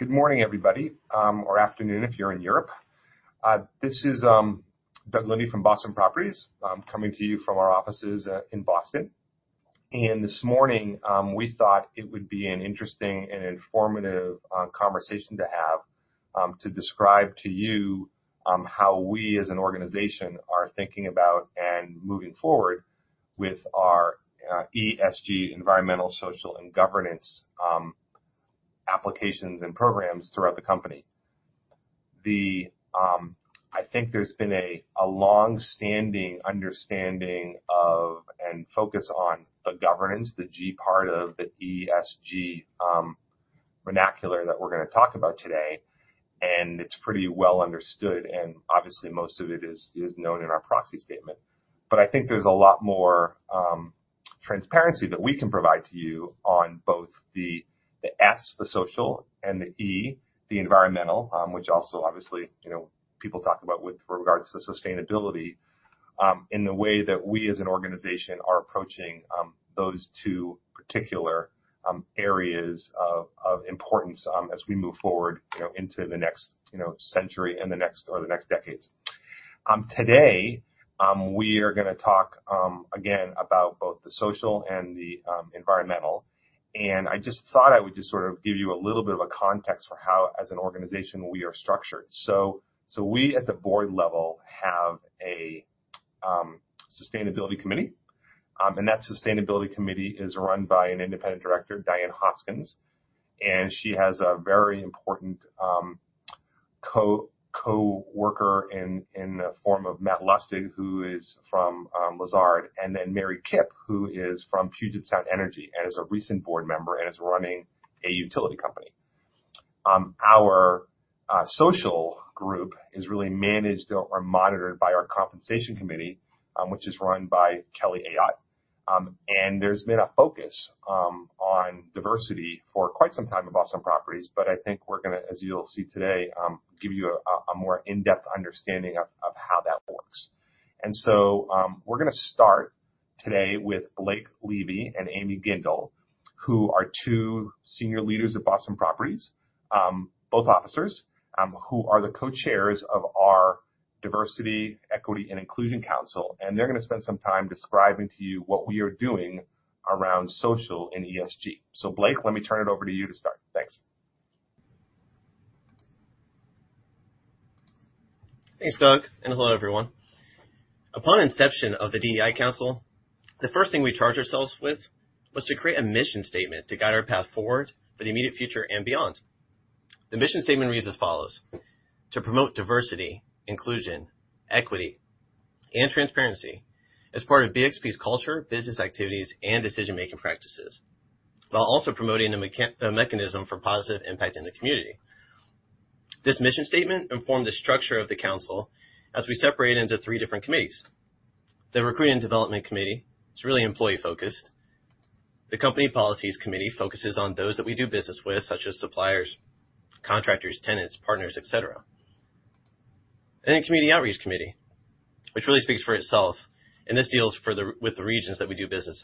Good morning, everybody, or afternoon if you're in Europe. This is Doug Linde from Boston Properties, coming to you from our offices in Boston. This morning, we thought it would be an interesting and informative conversation to have to describe to you how we as an organization are thinking about and moving forward with our ESG, environmental, social, and governance applications and programs throughout the company. I think there's been a long-standing understanding of, and focus on the governance, the G part of the ESG vernacular that we're gonna talk about today, and it's pretty well understood, and obviously, most of it is known in our proxy statement. I think there's a lot more transparency that we can provide to you on both the S, the social and the E, the environmental, which also obviously, people talk about with regards to sustainability, in the way that we as an organization are approaching those two particular areas of importance, as we move forward into the next century and the next decades. Today, we are gonna talk again about both the social and the environmental. I just thought I would just give you a little bit of a context for how as an organization we are structured. We at the board level have a sustainability committee. That sustainability committee is run by an Independent Director, Diane Hoskins, and she has a very important co-worker in the form of Matt Lustig, who is from Lazard, and then Mary Kipp, who is from Puget Sound Energy and is a recent board member and is running a utility company. Our social group is really managed or monitored by our compensation committee, which is run by Kelly Ayotte. There's been a focus on diversity for quite some time at Boston Properties, but I think we're gonna, as you'll see today, give you a more in-depth understanding of how that works. We're gonna start today with Blake Levy and Amy Gindele, who are two senior leaders at Boston Properties, both officers, who are the co-chairs of our Diversity, Equity and Inclusion Council. They're gonna spend some time describing to you what we are doing around social and ESG. Blake, let me turn it over to you to start. Thanks. Thanks, Doug, and hello, everyone. Upon inception of the DEI council, the first thing we charged ourselves with was to create a mission statement to guide our path forward for the immediate future and beyond. The mission statement reads as follows: To promote diversity, inclusion, equity, and transparency as part of BXP's culture, business activities, and decision-making practices, while also promoting a mechanism for positive impact in the community. This mission statement informed the structure of the council as we separated into three different committees. The Recruitment Development Committee is really employee-focused. The Company Policies Committee focuses on those that we do business with, such as suppliers, contractors, tenants, partners, et cetera. Then Community Outreach Committee, which really speaks for itself, and this deals with the regions that we do business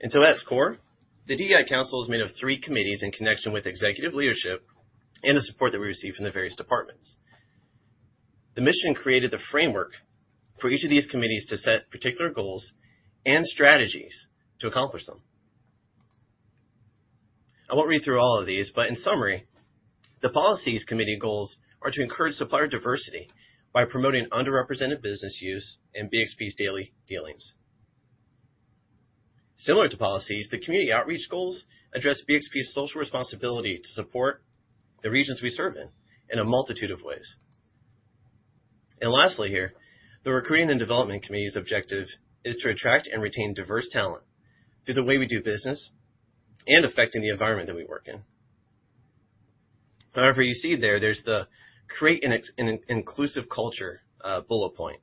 in. At its core, the DEI Council is made of three committees in connection with executive leadership and the support that we receive from the various departments. The mission created the framework for each of these committees to set particular goals and strategies to accomplish them. I won't read through all of these, but in summary, the Policies Committee goals are to encourage supplier diversity by promoting Under Represented Business use in BXP's daily dealings. Similar to policies, the community outreach goals address BXP social responsibility to support the regions we serve in a multitude of ways. Lastly here, the Recruiting and Development Committee's objective is to attract and retain diverse talent through the way we do business and affecting the environment that we work in. However, you see there's the create an inclusive culture bullet point.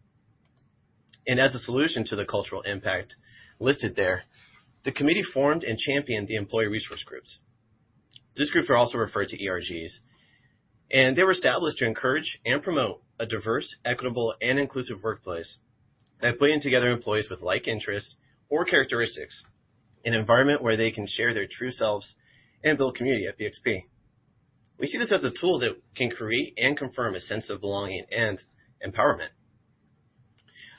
As a solution to the cultural impact listed there, the committee formed and championed the employee resource groups. These groups are also referred to ERGs, and they were established to encourage and promote a diverse, equitable, and inclusive workplace that bring together employees with like interests or characteristics, an environment where they can share their true selves and build community at BXP. We see this as a tool that can create and confirm a sense of belonging and empowerment.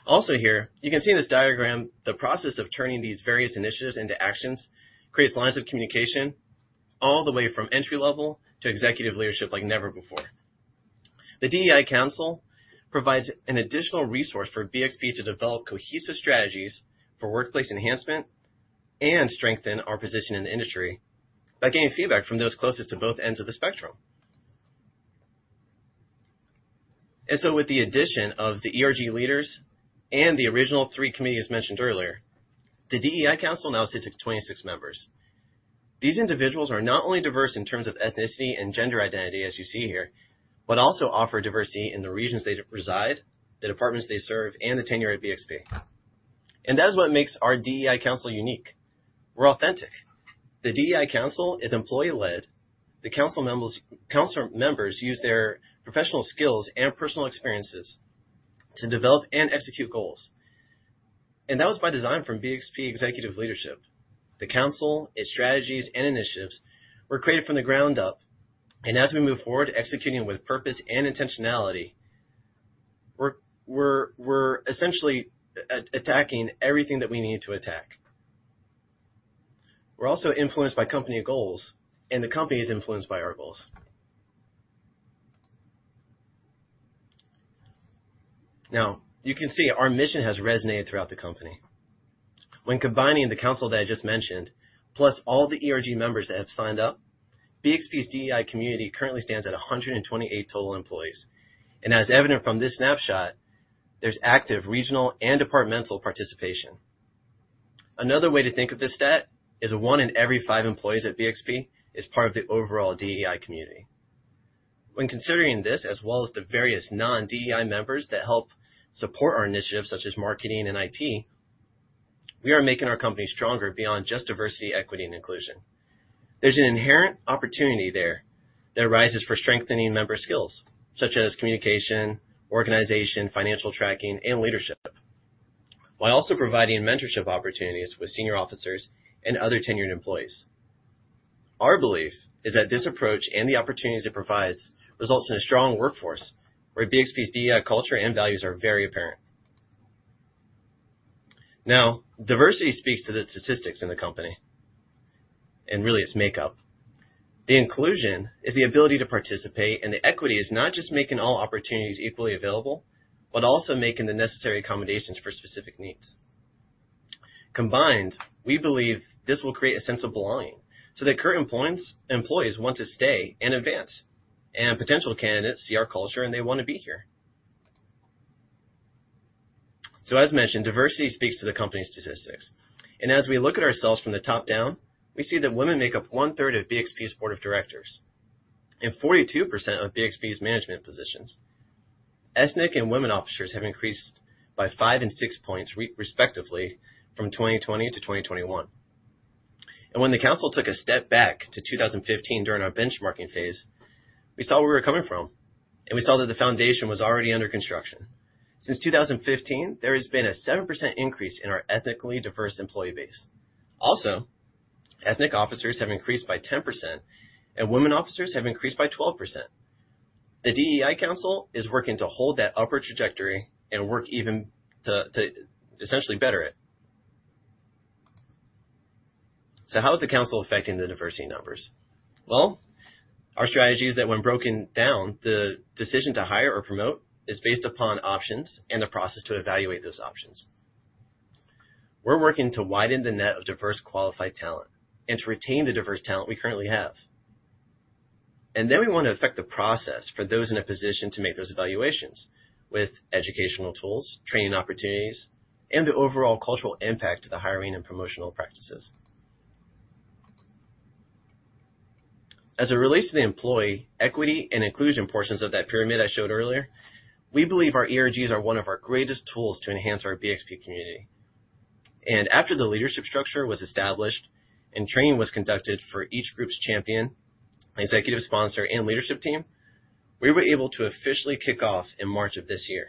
Also here, you can see in this diagram, the process of turning these various initiatives into actions creates lines of communication all the way from entry-level to executive leadership like never before. The DEI Council provides an additional resource for BXP to develop cohesive strategies for workplace enhancement and strengthen our position in the industry by getting feedback from those closest to both ends of the spectrum. With the addition of the ERG leaders and the original three committees mentioned earlier, the DEI Council now sits at 26 members. These individuals are not only diverse in terms of ethnicity and gender identity, as you see here, but also offer diversity in the regions they reside, the departments they serve, and the tenure at BXP. That is what makes our DEI Council unique. We're authentic. The DEI Council is employee-led. The council members use their professional skills and personal experiences to develop and execute goals. That was by design from BXP executive leadership. The council, its strategies, and initiatives were created from the ground up, and as we move forward executing with purpose and intentionality, we're essentially attacking everything that we need to attack. We're also influenced by company goals, and the company is influenced by our goals. Now, you can see our mission has resonated throughout the company. When combining the council that I just mentioned, plus all the ERG members that have signed up, BXP's DEI community currently stands at 128 total employees. As evident from this snapshot, there's active regional and departmental participation. Another way to think of this stat is that one in every 5 employees at BXP is part of the overall DEI community. When considering this, as well as the various non-DEI members that help support our initiatives such as marketing and IT, we are making our company stronger beyond just diversity, equity, and inclusion. There's an inherent opportunity there that arises for strengthening member skills such as communication, organization, financial tracking, and leadership, while also providing mentorship opportunities with senior officers and other tenured employees. Our belief is that this approach and the opportunities it provides results in a strong workforce where BXP's DEI culture and values are very apparent. Now, diversity speaks to the statistics in the company and really its makeup. The inclusion is the ability to participate, and the equity is not just making all opportunities equally available, but also making the necessary accommodations for specific needs. Combined, we believe this will create a sense of belonging so that current employees want to stay and advance, and potential candidates see our culture and they wanna be here. As mentioned, diversity speaks to the company's statistics. As we look at ourselves from the top down, we see that women make up one-third of BXP's board of directors and 42% of BXP's management positions. Ethnic and women officers have increased by 5 and 6 points respectively from 2020 to 2021. When the council took a step back to 2015 during our benchmarking phase, we saw where we were coming from, and we saw that the foundation was already under construction. Since 2015, there has been a 7% increase in our ethnically diverse employee base. Also, ethnic officers have increased by 10%, and women officers have increased by 12%. The DEI council is working to hold that upward trajectory and work even to essentially better it. How is the council affecting the diversity numbers? Well, our strategy is that when broken down, the decision to hire or promote is based upon options and the process to evaluate those options. We're working to widen the net of diverse qualified talent and to retain the diverse talent we currently have. We wanna affect the process for those in a position to make those evaluations with educational tools, training opportunities, and the overall cultural impact to the hiring and promotional practices. As it relates to the employee equity and inclusion portions of that pyramid I showed earlier, we believe our ERGs are one of our greatest tools to enhance our BXP community. After the leadership structure was established and training was conducted for each group's champion, executive sponsor, and leadership team, we were able to officially kick off in March of this year.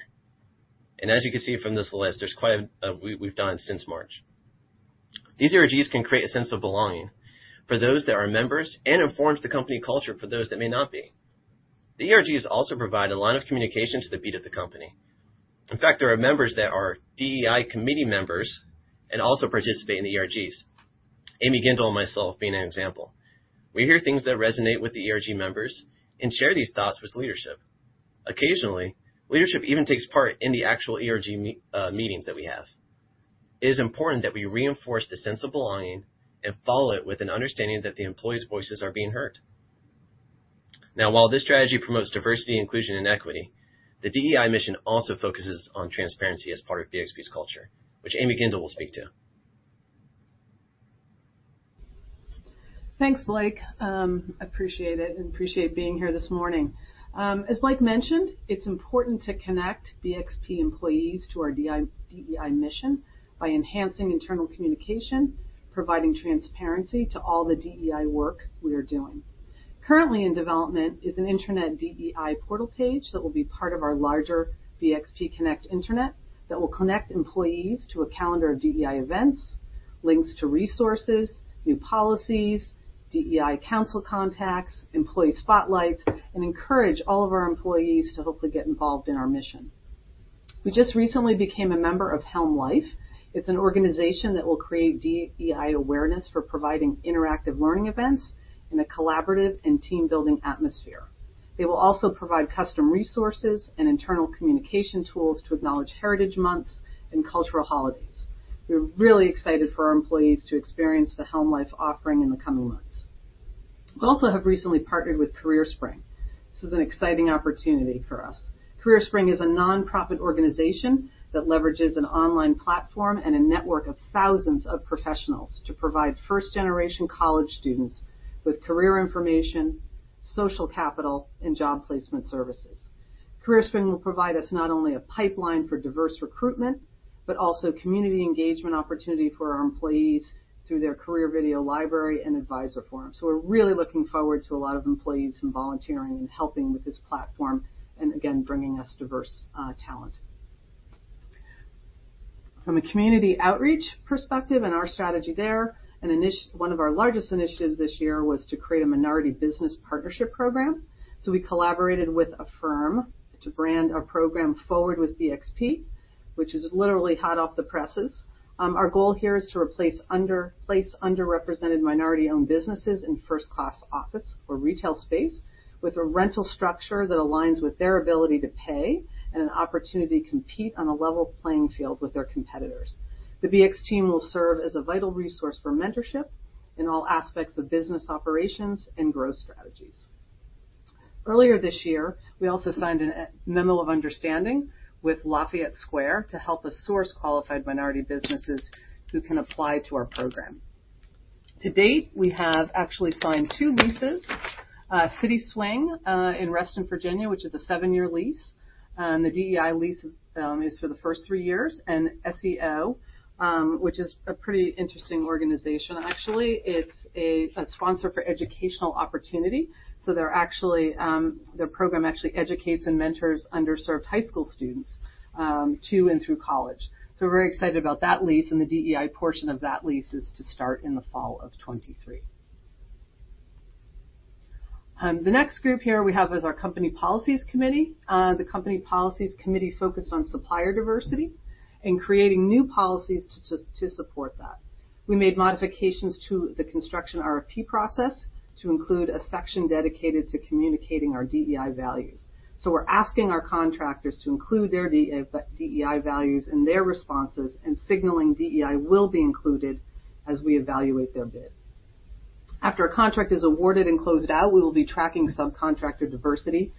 As you can see from this list, there's quite a bit we've done since March. These ERGs can create a sense of belonging for those that are members and informs the company culture for those that may not be. The ERG's also provide a line of communication to the heart of the company. In fact, there are members that are DEI committee members and also participate in the ERG's, Amy Gindele and myself being an example. We hear things that resonate with the ERG members and share these thoughts with leadership. Occasionally, leadership even takes part in the actual ERG meetings that we have. It is important that we reinforce the sense of belonging and follow it with an understanding that the employees' voices are being heard. Now, while this strategy promotes diversity, inclusion, and equity, the DEI mission also focuses on transparency as part of BXP's culture, which Amy Gindele will speak to. Thanks, Blake. Appreciate it and appreciate being here this morning. As Blake mentioned, it's important to connect BXP employees to our DEI mission by enhancing internal communication, providing transparency to all the DEI work we are doing. Currently in development is an internet DEI portal page that will be part of our larger BXP Connect internet that will connect employees to a calendar of DEI events, links to resources, new policies, DEI council contacts, employee spotlights, and encourage all of our employees to hopefully get involved in our mission. We just recently became a member of HELM Life. It's an organization that will create DEI awareness for providing interactive learning events in a collaborative and team-building atmosphere. They will also provide custom resources and internal communication tools to acknowledge Heritage Months and cultural holidays. We're really excited for our employees to experience the HELM Life offering in the coming months. We also have recently partnered with CareerSpring. This is an exciting opportunity for us. CareerSpring is a nonprofit organization that leverages an online platform and a network of thousands of professionals to provide first-generation college students with career information, social capital, and job placement services. CareerSpring will provide us not only a pipeline for diverse recruitment, but also community engagement opportunity for our employees through their career video library and advisor forum. We're really looking forward to a lot of employees volunteering and helping with this platform and again, bringing us diverse talent. From a community outreach perspective and our strategy there, one of our largest initiatives this year was to create a minority business partnership program. We collaborated with a firm to brand our program Forward with BXP, which is literally hot off the presses. Our goal here is to replace under represented minority-owned businesses in first-class office or retail space with a rental structure that aligns with their ability to pay and an opportunity to compete on a level playing field with their competitors. The BXP team will serve as a vital resource for mentorship in all aspects of business operations and growth strategies. Earlier this year, we also signed a memo of understanding with Lafayette Square to help us source qualified minority businesses who can apply to our program. To date, we have actually signed 2 leases, CitySwing in Reston, Virginia, which is a 7-year lease, and the DEI lease is for the first 3 years. SEO, which is a pretty interesting organization actually. It's a sponsor for educational opportunity. They're actually their program actually educates and mentors underserved high school students to and through college. We're very excited about that lease, and the DEI portion of that lease is to start in the fall of 2023. The next group here we have is our Company Policies Committee. The Company Policies Committee focused on supplier diversity and creating new policies to support that. We made modifications to the construction RFP process to include a section dedicated to communicating our DEI values. We're asking our contractors to include their DEI values in their responses, and signaling DEI will be included as we evaluate their bid. After a contract is awarded and closed out, we will be tracking subcontractor diversity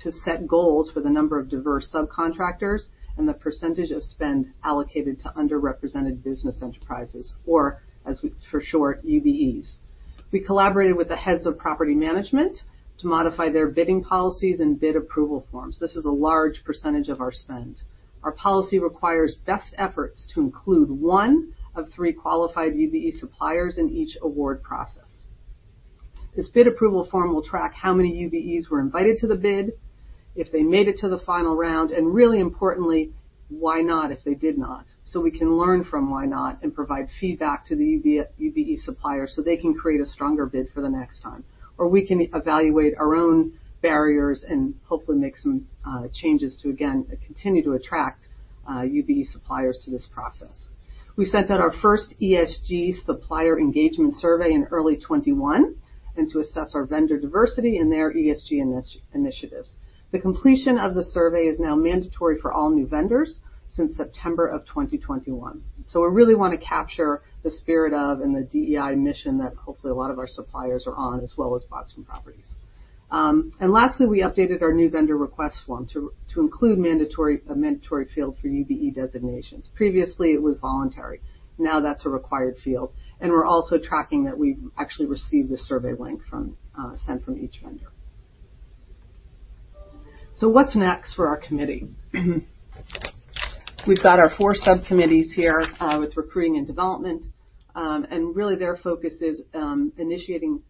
to set goals for the number of diverse subcontractors and the percentage of spend allocated to Under Represented Business Enterprises, or for short, UBE's. We collaborated with the heads of property management to modify their bidding policies and bid approval forms. This is a large percentage of our spend. Our policy requires best efforts to include one of three qualified UBE suppliers in each award process. This bid approval form will track how many UBEs were invited to the bid, if they made it to the final round, and really importantly, why not, if they did not, so we can learn from why not and provide feedback to the UBE suppliers so they can create a stronger bid for the next time. We can evaluate our own barriers and hopefully make some changes to again continue to attract UBE suppliers to this process. We sent out our first ESG supplier engagement survey in early 2021, and to assess our vendor diversity and their ESG initiatives. The completion of the survey is now mandatory for all new vendors since September 2021. We really wanna capture the spirit of and the DEI mission that hopefully a lot of our suppliers are on, as well as Boston Properties. Lastly, we updated our new vendor request form to include a mandatory field for UBE designations. Previously, it was voluntary, now that's a required field. We're also tracking that we've actually received a survey link sent from each vendor. What's next for our committee? We've got our four sub-committees here with recruiting and development. Really their focus is initiating,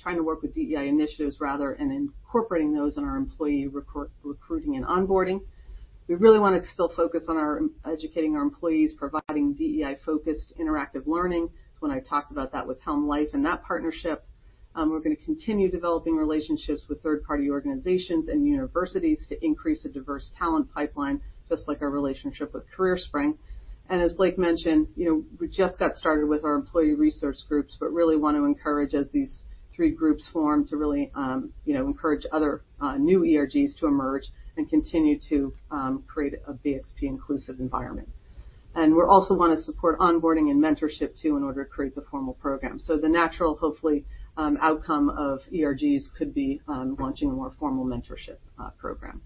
trying to work with DEI initiatives rather, and incorporating those in our employee recruiting and onboarding. We really wanna still focus on educating our employees, providing DEI-focused interactive learning. When I talked about that with HELM Life and that partnership, we're gonna continue developing relationships with third-party organizations and universities to increase the diverse talent pipeline, just like our relationship with CareerSpring. As Blake mentioned, we just got started with our employee resource groups, but really want to encourage as these three groups form to really, encourage other new ERGs to emerge and continue to create a BXP inclusive environment. We're also wanna support onboarding and mentorship too, in order to create the formal program. The natural, hopefully, outcome of ERGs could be launching a more formal mentorship program.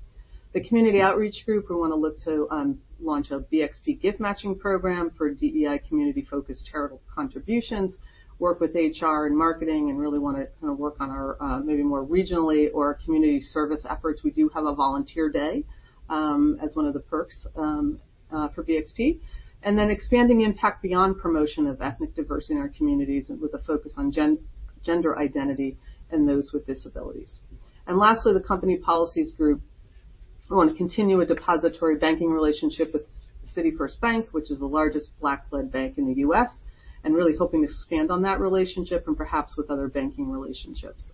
The community outreach group, we wanna look to launch a BXP gift matching program for DEI community-focused charitable contributions, work with HR and marketing, and really wanna kinda work on our maybe more regionally or community service efforts. We do have a volunteer day as one of the perks for BXP. Expanding impact beyond promotion of ethnic diversity in our communities and with a focus on gender identity and those with disabilities. Lastly, the company policies group want to continue a depository banking relationship with City First Bank, which is the largest Black-led bank in the U.S., and really hoping to expand on that relationship and perhaps with other banking relationships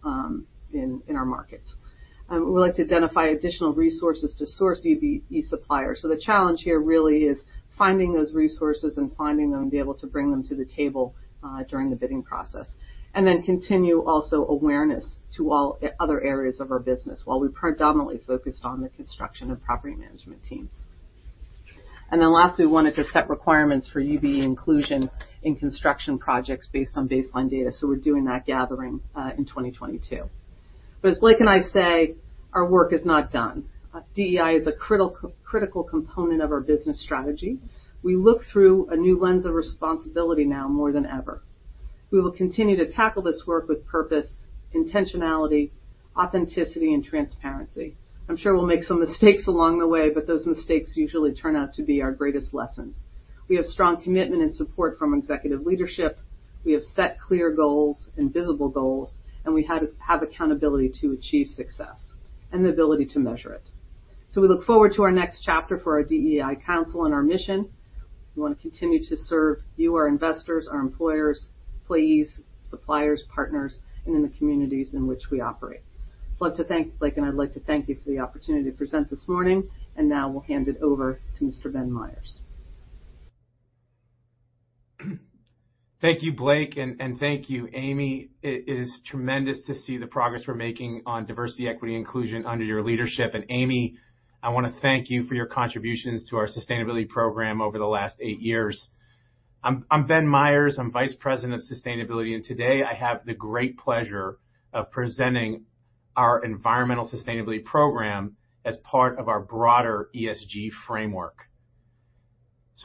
in our markets. We'd like to identify additional resources to source UBE suppliers. The challenge here really is finding those resources and be able to bring them to the table during the bidding process. Continue also awareness to all other areas of our business while we predominantly focused on the construction and property management teams. Lastly, we wanted to set requirements for UBE inclusion in construction projects based on baseline data, so we're doing that gathering in 2022. As Blake and I say, our work is not done. DEI is a critical component of our business strategy. We look through a new lens of responsibility now more than ever. We will continue to tackle this work with purpose, intentionality, authenticity, and transparency. I'm sure we'll make some mistakes along the way, but those mistakes usually turn out to be our greatest lessons. We have strong commitment and support from executive leadership. We have set clear goals and visible goals, and we have accountability to achieve success and the ability to measure it. We look forward to our next chapter for our DEI council and our mission. We want to continue to serve you, our investors, our employers, employees, suppliers, partners, and in the communities in which we operate. I'd love to thank Blake, and I'd like to thank you for the opportunity to present this morning, and now we'll hand it over to Mr. Ben Myers. Thank you, Blake, and thank you, Amy. It is tremendous to see the progress we're making on diversity, equity, and inclusion under your leadership. Amy, I wanna thank you for your contributions to our sustainability program over the last eight years. I'm Ben Myers, I'm Vice President of Sustainability, and today I have the great pleasure of presenting our environmental sustainability program as part of our broader ESG framework.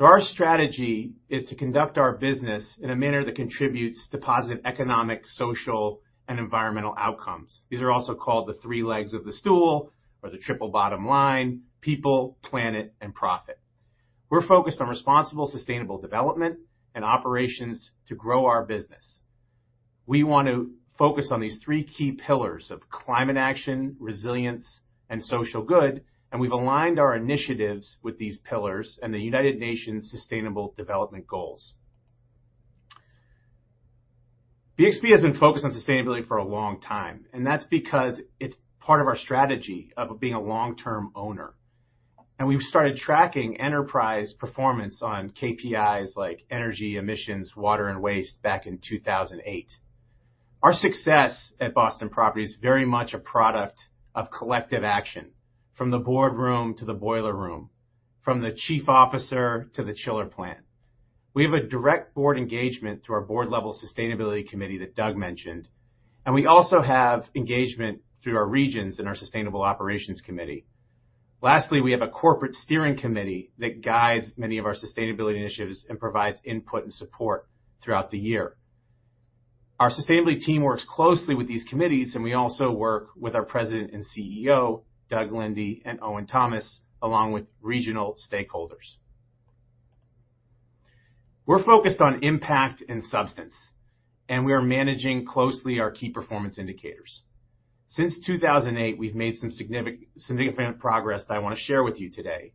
Our strategy is to conduct our business in a manner that contributes to positive economic, social, and environmental outcomes. These are also called the three legs of the stool or the triple bottom line, people, planet, and profit. We're focused on responsible sustainable development and operations to grow our business. We want to focus on these three key pillars of climate action, resilience, and social good, and we've aligned our initiatives with these pillars and the United Nations Sustainable Development Goals. BXP has been focused on sustainability for a long time, and that's because it's part of our strategy of being a long-term owner. We've started tracking enterprise performance on KPI's like energy, emissions, water, and waste back in 2008. Our success at Boston Properties is very much a product of collective action from the boardroom to the boiler room, from the chief officer to the chiller plant. We have a direct board engagement through our board level sustainability committee that Doug mentioned, and we also have engagement through our regions and our sustainable operations committee. Lastly, we have a corporate steering committee that guides many of our sustainability initiatives and provides input and support throughout the year. Our sustainability team works closely with these committees, and we also work with our president and CEO, Doug Linde and Owen Thomas, along with regional stakeholders. We're focused on impact and substance, and we are managing closely our key performance indicators. Since 2008, we've made some significant progress that I want to share with you today.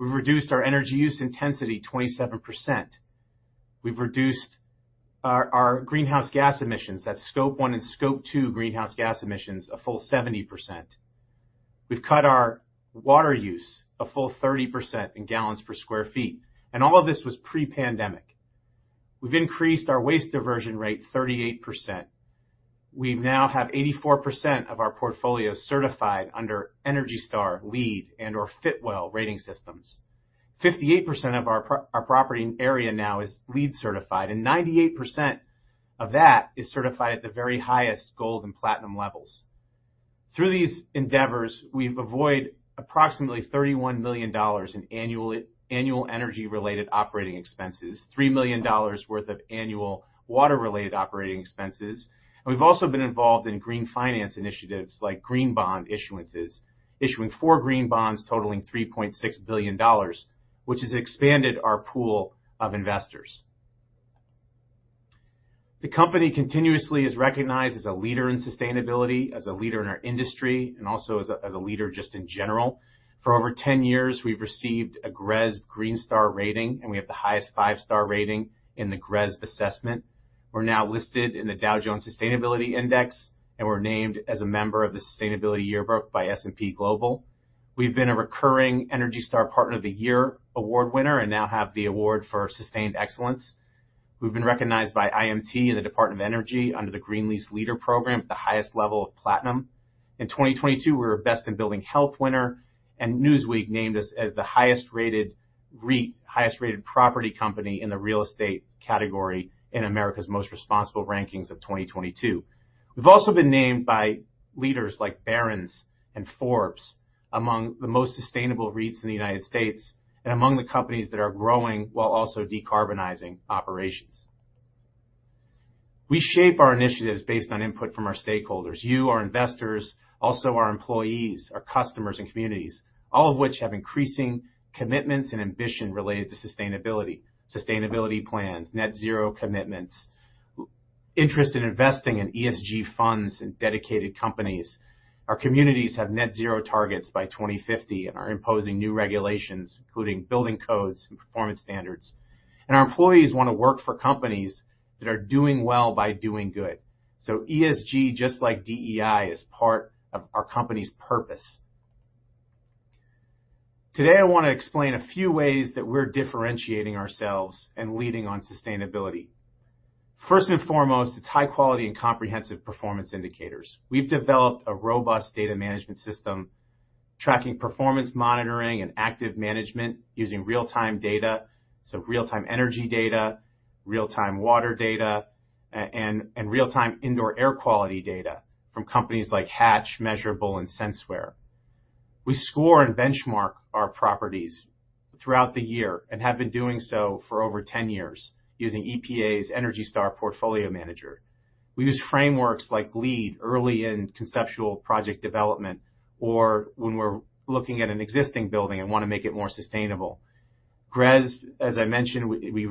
We've reduced our energy use intensity 27%. We've reduced our greenhouse gas emissions, that's Scope 1 and Scope 2 greenhouse gas emissions, a full 70%. We've cut our water use a full 30% in gallons per square feet, and all of this was pre-pandemic. We've increased our waste diversion rate 38%. We now have 84% of our portfolio certified under ENERGY STAR, LEED, and/or Fitwel rating systems. 58% of our property area now is LEED certified, and 98% of that is certified at the very highest gold and platinum levels. Through these endeavors, we've avoid approximately $31 million in annual energy-related operating expenses, $3 million worth of annual water-related operating expenses. We've also been involved in green finance initiatives like green bond issuances, issuing 4 green bonds totaling $3.6 billion, which has expanded our pool of investors. The company continuously is recognized as a leader in sustainability, as a leader in our industry, and also as a leader just in general. For over 10 years, we've received a GRESB Green Star rating, and we have the highest five-star rating in the GRESB assessment. We're now listed in the Dow Jones Sustainability Index, and we're named as a member of the Sustainability Yearbook by S&P Global. We've been a recurring ENERGY STAR Partner of the Year Award winner and now have the award for sustained excellence. We've been recognized by IMT and the Department of Energy under the Green Lease Leaders program at the highest level of platinum. In 2022, we were Best in Building Health winner, and Newsweek named us as the highest-rated REIT, highest-rated property company in the real estate category in America's most responsible rankings of 2022. We've also been named by leaders like Barron's and Forbes among the most sustainable REITs in the United States and among the companies that are growing while also decarbonizing operations. We shape our initiatives based on input from our stakeholders, you, our investors, also our employees, our customers, and communities, all of which have increasing commitments and ambition related to sustainability plans, net zero commitments, interest in investing in ESG funds and dedicated companies. Our communities have net zero targets by 2050 and are imposing new regulations, including building codes and performance standards. Our employees wanna work for companies that are doing well by doing good. ESG, just like DEI, is part of our company's purpose. Today, I wanna explain a few ways that we're differentiating ourselves and leading on sustainability. First and foremost, it's high quality and comprehensive performance indicators. We've developed a robust data management system, tracking performance monitoring and active management using real-time data, so real-time energy data, real-time water data, and real-time indoor air quality data from companies like Hatch, Measurable, and Senseware. We score and benchmark our properties throughout the year and have been doing so for over 10 years using EPA's Energy Star Portfolio Manager. We use frameworks like LEED early in conceptual project development or when we're looking at an existing building and want to make it more sustainable. GRESB, as I mentioned, we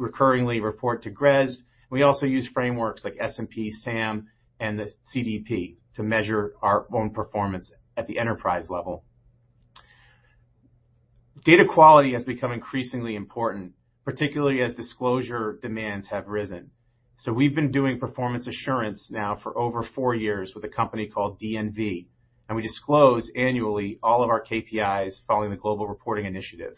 recurringly report to GRESB. We also use frameworks like S&P, SAM, and the CDP to measure our own performance at the enterprise level. Data quality has become increasingly important, particularly as disclosure demands have risen. We've been doing performance assurance now for over four years with a company called DNV, and we disclose annually all of our KPIs following the Global Reporting Initiative.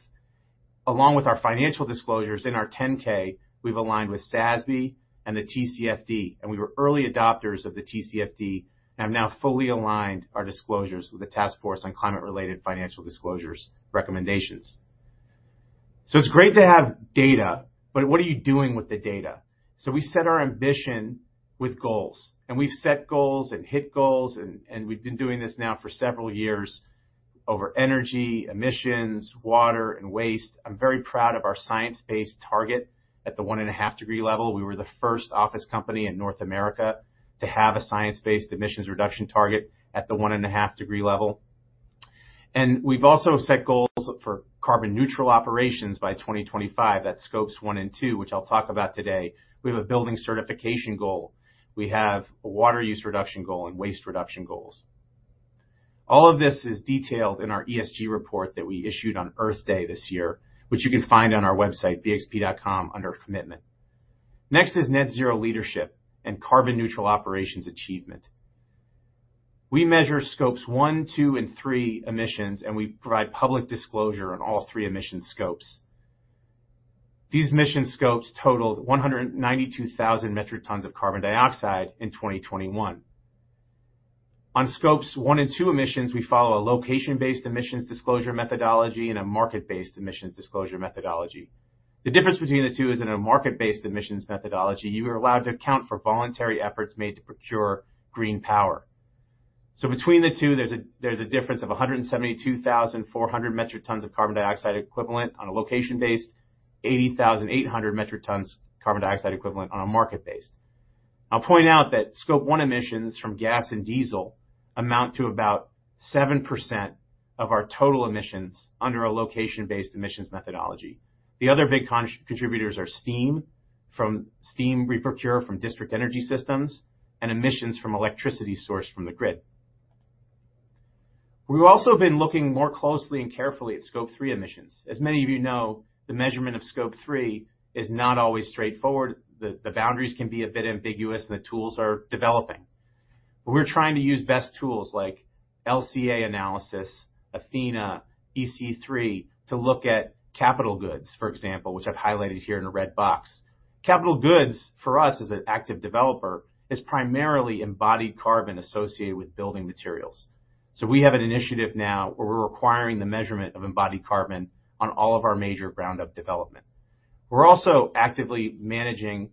Along with our financial disclosures in our 10-K, we've aligned with SASB and the TCFD, and we were early adopters of the TCFD, and have now fully aligned our disclosures with the Task Force on Climate-related Financial Disclosures recommendations. It's great to have data, but what are you doing with the data? We set our ambition with goals. We've set goals and hit goals and we've been doing this now for several years over energy, emissions, water, and waste. I'm very proud of our science-based target at the 1.5 degree level. We were the first office company in North America to have a science-based emissions reduction target at the 1.5-degree level. We've also set goals for carbon neutral operations by 2025. That's Scope 1 and 2, which I'll talk about today. We have a building certification goal. We have a water use reduction goal and waste reduction goals. All of this is detailed in our ESG report that we issued on Earth Day this year, which you can find on our website, bxp.com, under Commitment. Next is net zero leadership and carbon neutral operations achievement. We measure Scope 1, 2, and 3 emissions, and we provide public disclosure on all three emission scopes. These emission scopes totaled 192,000 metric tons of carbon dioxide in 2021. On Scope 1 and Scope 2 emissions, we follow a location-based emissions disclosure methodology and a market-based emissions disclosure methodology. The difference between the two is in a market-based emissions methodology, you are allowed to account for voluntary efforts made to procure green power. Between the two, there's a difference of 172,400 metric tons of carbon dioxide equivalent on a location-based, 80,800 metric tons carbon dioxide equivalent on a market-based. I'll point out that Scope 1 emissions from gas and diesel amount to about 7% of our total emissions under a location-based emissions methodology. The other big contributors are steam from steam we procure from district energy systems and emissions from electricity sourced from the grid. We've also been looking more closely and carefully at Scope 3 emissions. As many of the measurement of Scope 3 is not always straightforward. The boundaries can be a bit ambiguous, and the tools are developing. We're trying to use best tools like LCA analysis, Athena, EC3 to look at capital goods, for example, which I've highlighted here in a red box. Capital goods, for us as an active developer, is primarily embodied carbon associated with building materials. We have an initiative now where we're requiring the measurement of embodied carbon on all of our major ground-up development. We're also actively managing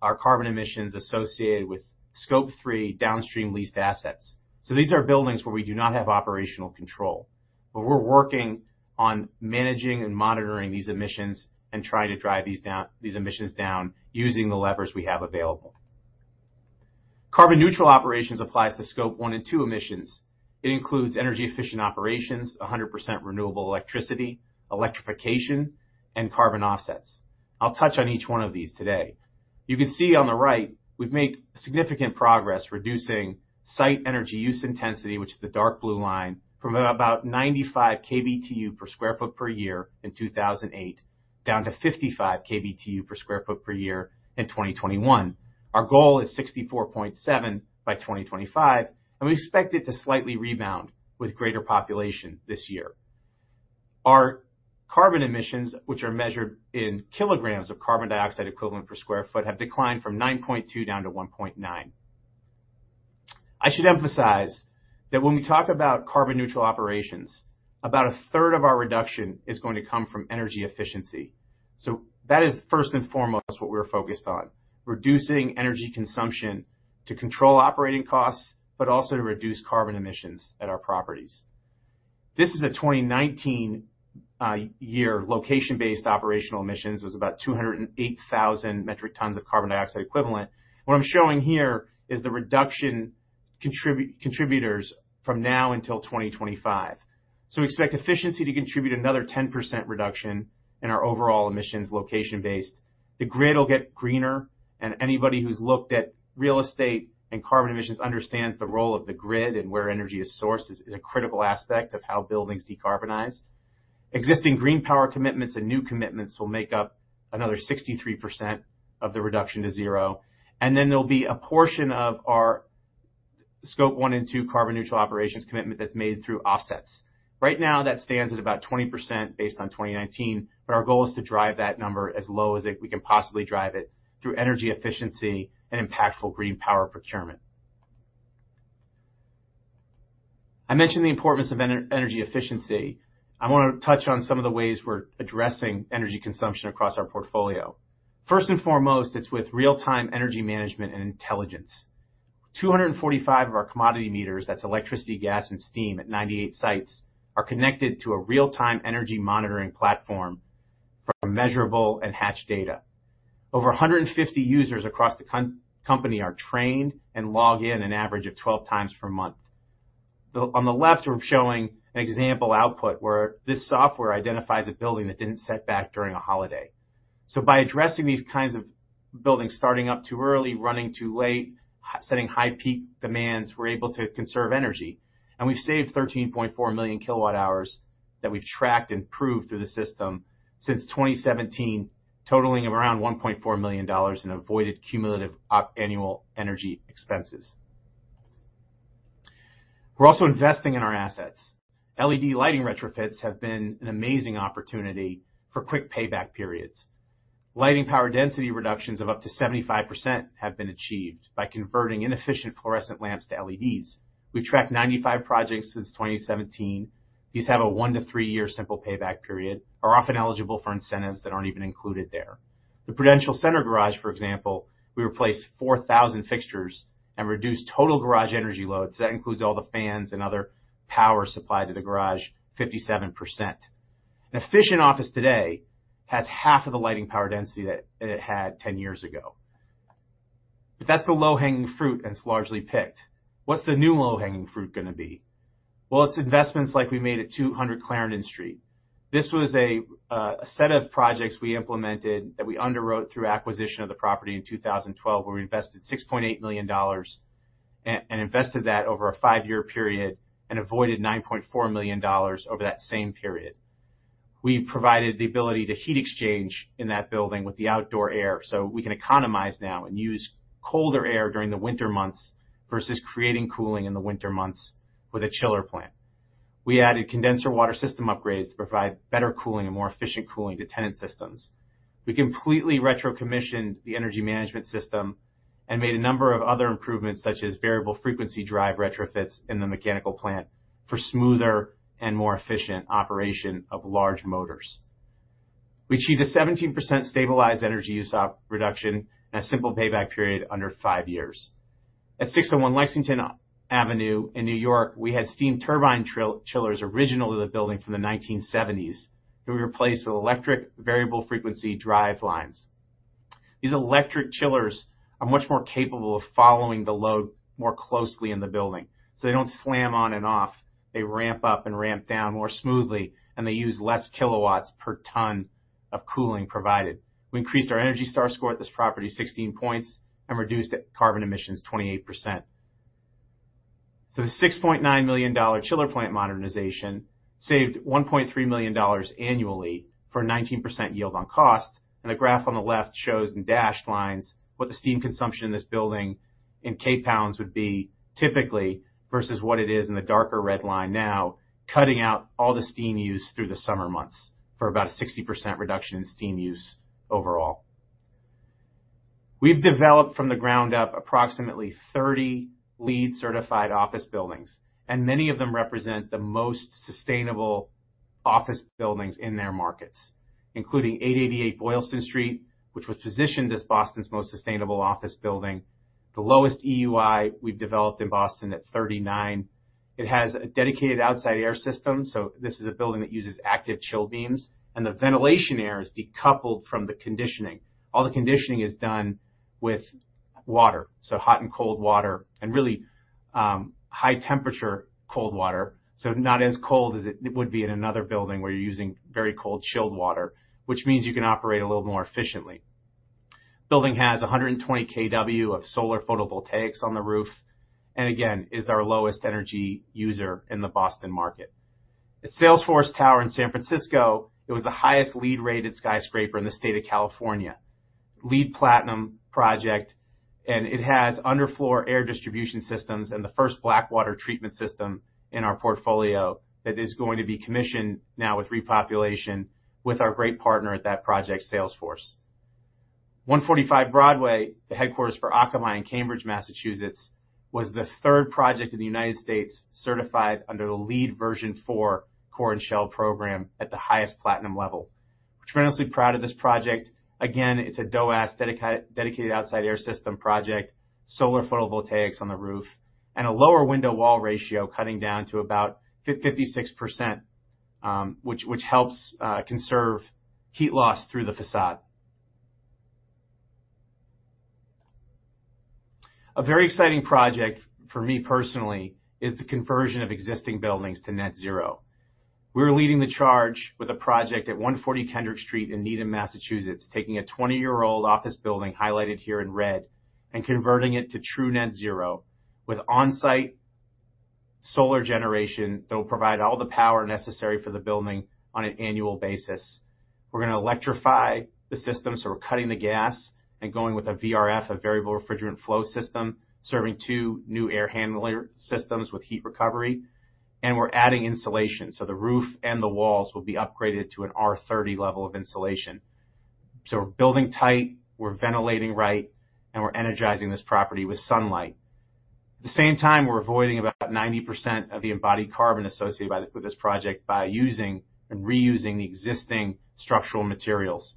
our carbon emissions associated with Scope 3 downstream leased assets. These are buildings where we do not have operational control, but we're working on managing and monitoring these emissions and trying to drive these emissions down using the levers we have available. Carbon neutral operations applies to Scope 1 and 2 emissions. It includes energy-efficient operations, 100% renewable electricity, electrification, and carbon offsets. I'll touch on each one of these today. You can see on the right we've made significant progress reducing site energy use intensity, which is the dark blue line, from about 95 kBTU per sq ft per year in 2008, down to 55 kBTU per sq ft per year in 2021. Our goal is 64.7 by 2025, and we expect it to slightly rebound with greater population this year. Our carbon emissions, which are measured in kilograms of carbon dioxide equivalent per sq ft, have declined from 9.2 down to 1.9. I should emphasize that when we talk about carbon neutral operations, about a third of our reduction is going to come from energy efficiency. That is first and foremost what we're focused on, reducing energy consumption to control operating costs, but also to reduce carbon emissions at our properties. This is a 2019 year location-based operational emissions. It was about 208,000 metric tons of carbon dioxide equivalent. What I'm showing here is the reduction contributors from now until 2025. We expect efficiency to contribute another 10% reduction in our overall emissions, location based. The grid will get greener. Anybody who's looked at real estate and carbon emissions understands the role of the grid and where energy is sourced is a critical aspect of how buildings decarbonize. Existing green power commitments and new commitments will make up another 63% of the reduction to zero. There'll be a portion of our Scope 1 and 2 carbon neutral operations commitment that's made through offsets. Right now, that stands at about 20% based on 2019, but our goal is to drive that number as low as we can possibly drive it through energy efficiency and impactful green power procurement. I mentioned the importance of energy efficiency. I want to touch on some of the ways we're addressing energy consumption across our portfolio. First and foremost, it's with real-time energy management and intelligence. 245 of our commodity meters, that's electricity, gas, and steam at 98 sites, are connected to a real-time energy monitoring platform from Measurable and Hatch Data. Over 150 users across the company are trained and log in an average of 12 times per month. On the left, we're showing an example output where this software identifies a building that didn't set back during a holiday. By addressing these kinds of buildings starting up too early, running too late, by setting high peak demands, we're able to conserve energy. We've saved 13.4 million kWh that we've tracked and proved through the system since 2017, totaling around $1.4 million in avoided cumulative annual energy expenses. We're also investing in our assets. LED lighting retrofits have been an amazing opportunity for quick payback periods. Lighting power density reductions of up to 75% have been achieved by converting inefficient fluorescent lamps to LED's. We've tracked 95 projects since 2017. These have a 1 to 3 year simple payback period, are often eligible for incentives that aren't even included there. The Prudential Center garage, for example, we replaced 4,000 fixtures and reduced total garage energy loads. That includes all the fans and other power supplied to the garage, 57%. An efficient office today has half of the lighting power density that it had 10 years ago. That's the low-hanging fruit, and it's largely picked. What's the new low-hanging fruit gonna be? Well, it's investments like we made at 200 Clarendon Street. This was a set of projects we implemented that we underwrote through acquisition of the property in 2012, where we invested $6.8 million and invested that over a five-year period and avoided $9.4 million over that same period. We provided the ability to heat exchange in that building with the outdoor air, so we can economize now and use colder air during the winter months versus creating cooling in the winter months with a chiller plant. We added condenser water system upgrades to provide better cooling and more efficient cooling to tenant systems. We completely retrocommissioned the energy management system and made a number of other improvements, such as variable frequency drive retrofits in the mechanical plant for smoother and more efficient operation of large motors. We achieved a 17% stabilized energy use EUI reduction and a simple payback period under 5 years. At 601 Lexington Avenue in New York, we had steam turbine chillers original to the building from the 1970s that we replaced with electric variable frequency drive chillers. These electric chillers are much more capable of following the load more closely in the building, so they don't slam on and off. They ramp up and ramp down more smoothly, and they use less kilowatts per ton of cooling provided. We increased our ENERGY STAR score at this property 16 points and reduced carbon emissions 28%. The $6.9 million chiller plant modernization saved $1.3 million annually for a 19% yield on cost. The graph on the left shows in dashed lines what the steam consumption in this building in kpounds would be typically versus what it is in the darker red line now, cutting out all the steam used through the summer months for about a 60% reduction in steam use overall. We've developed from the ground up approximately 30 LEED certified office buildings, and many of them represent the most sustainable office buildings in their markets. Including 888 Boylston Street, which was positioned as Boston's most sustainable office building. The lowest EUI we've developed in Boston at 39. It has a dedicated outside air system, so this is a building that uses active chill beams, and the ventilation air is decoupled from the conditioning. All the conditioning is done with water, so hot and cold water, and really, high temperature cold water. So not as cold as it would be in another building where you're using very cold chilled water, which means you can operate a little more efficiently. Building has 120 kW of solar photovoltaics on the roof, and again, is our lowest energy user in the Boston market. At Salesforce Tower in San Francisco, it was the highest LEED rated skyscraper in the state of California. LEED platinum project, it has underfloor air distribution systems and the first blackwater treatment system in our portfolio that is going to be commissioned now with repopulation with our great partner at that project, Salesforce. 145 Broadway, the headquarters for Akamai in Cambridge, Massachusetts, was the third project in the United States certified under the LEED Version 4 Core and Shell program at the highest platinum level. We're tremendously proud of this project. Again, it's a DOAS dedicated outside air system project, solar photovoltaics on the roof, and a lower window wall ratio cutting down to about 56%, which helps conserve heat loss through the façade. A very exciting project for me personally is the conversion of existing buildings to net zero. We're leading the charge with a project at 140 Kendrick Street in Needham, Massachusetts, taking a 20-year-old office building highlighted here in red and converting it to true Net Zero with on-site solar generation that will provide all the power necessary for the building on an annual basis. We're gonna electrify the system, so we're cutting the gas and going with a VRF, a variable refrigerant flow system, serving two new air handler systems with heat recovery. We're adding insulation, so the roof and the walls will be upgraded to an R-30 level of insulation. We're building tight, we're ventilating right, and we're energizing this property with sunlight. At the same time, we're avoiding about 90% of the embodied carbon associated with this project by using and reusing the existing structural materials.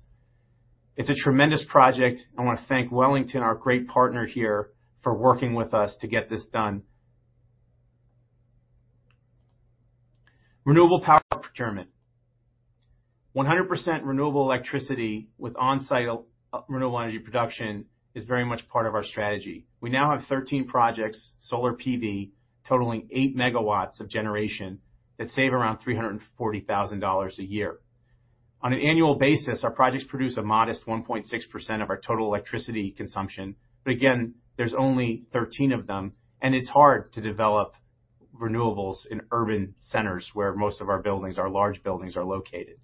It's a tremendous project. I wanna thank Wellington, our great partner here, for working with us to get this done. Renewable power procurement. 100% renewable electricity with on-site renewable energy production is very much part of our strategy. We now have 13 projects, solar PV, totaling 8 megawatts of generation that save around $340,000 a year. On an annual basis, our projects produce a modest 1.6% of our total electricity consumption. Again, there's only 13 of them, and it's hard to develop renewables in urban centers where most of our buildings, our large buildings are located.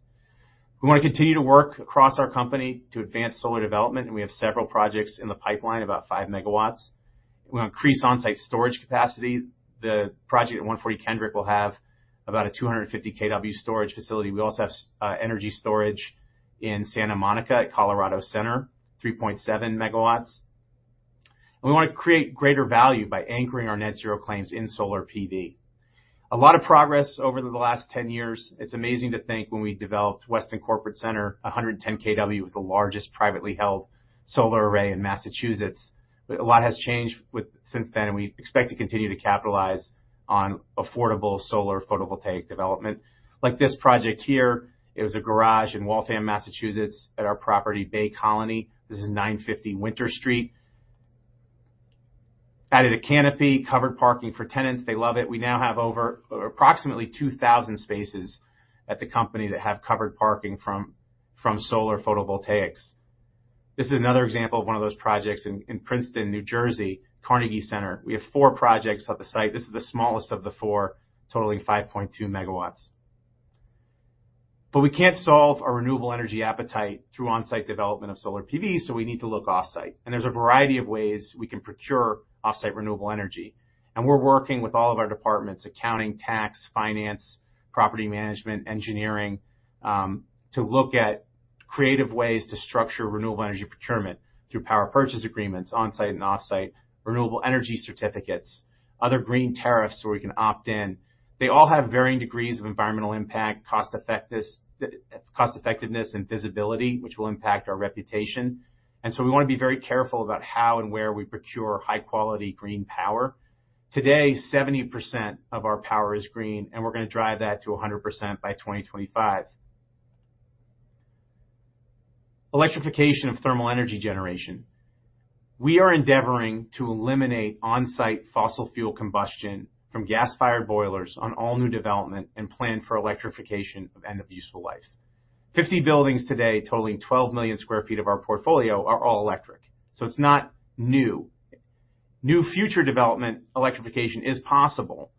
We wanna continue to work across our company to advance solar development, and we have several projects in the pipeline, about 5 megawatts. We wanna increase on-site storage capacity. The project at 140 Kendrick will have about a 250 kW storage facility. We also have energy storage in Santa Monica at Colorado Center, 3.7 megawatts. We wanna create greater value by anchoring our net zero claims in solar PV. A lot of progress over the last 10 years. It's amazing to think when we developed Weston Corporate Center, 110 kW was the largest privately held solar array in Massachusetts. A lot has changed since then, and we expect to continue to capitalize on affordable solar photovoltaic development. Like this project here, it was a garage in Waltham, Massachusetts, at our property Bay Colony. This is 950 Winter Street. Added a canopy, covered parking for tenants. They love it. We now have over approximately 2,000 spaces at the company that have covered parking from solar photovoltaics. This is another example of one of those projects in Princeton, New Jersey, Carnegie Center. We have four projects at the site. This is the smallest of the four, totaling 5.2 megawatts. We can't solve our renewable energy appetite through on-site development of solar PV, so we need to look off-site. There's a variety of ways we can procure off-site renewable energy. We're working with all of our departments, accounting, tax, finance, property management, engineering, to look at creative ways to structure renewable energy procurement through power purchase agreements on-site and off-site, renewable energy certificates, other green tariffs where we can opt in. They all have varying degrees of environmental impact, cost-effectiveness, and visibility, which will impact our reputation. We wanna be very careful about how and where we procure high-quality green power. Today, 70% of our power is green, and we're gonna drive that to 100% by 2025. Electrification of thermal energy generation. We are endeavoring to eliminate on-site fossil fuel combustion from gas-fired boilers on all new development and plan for electrification of end of useful life. 50 buildings today, totaling 12 million sq ft of our portfolio, are all electric, so it's not new. New future development electrification is possible,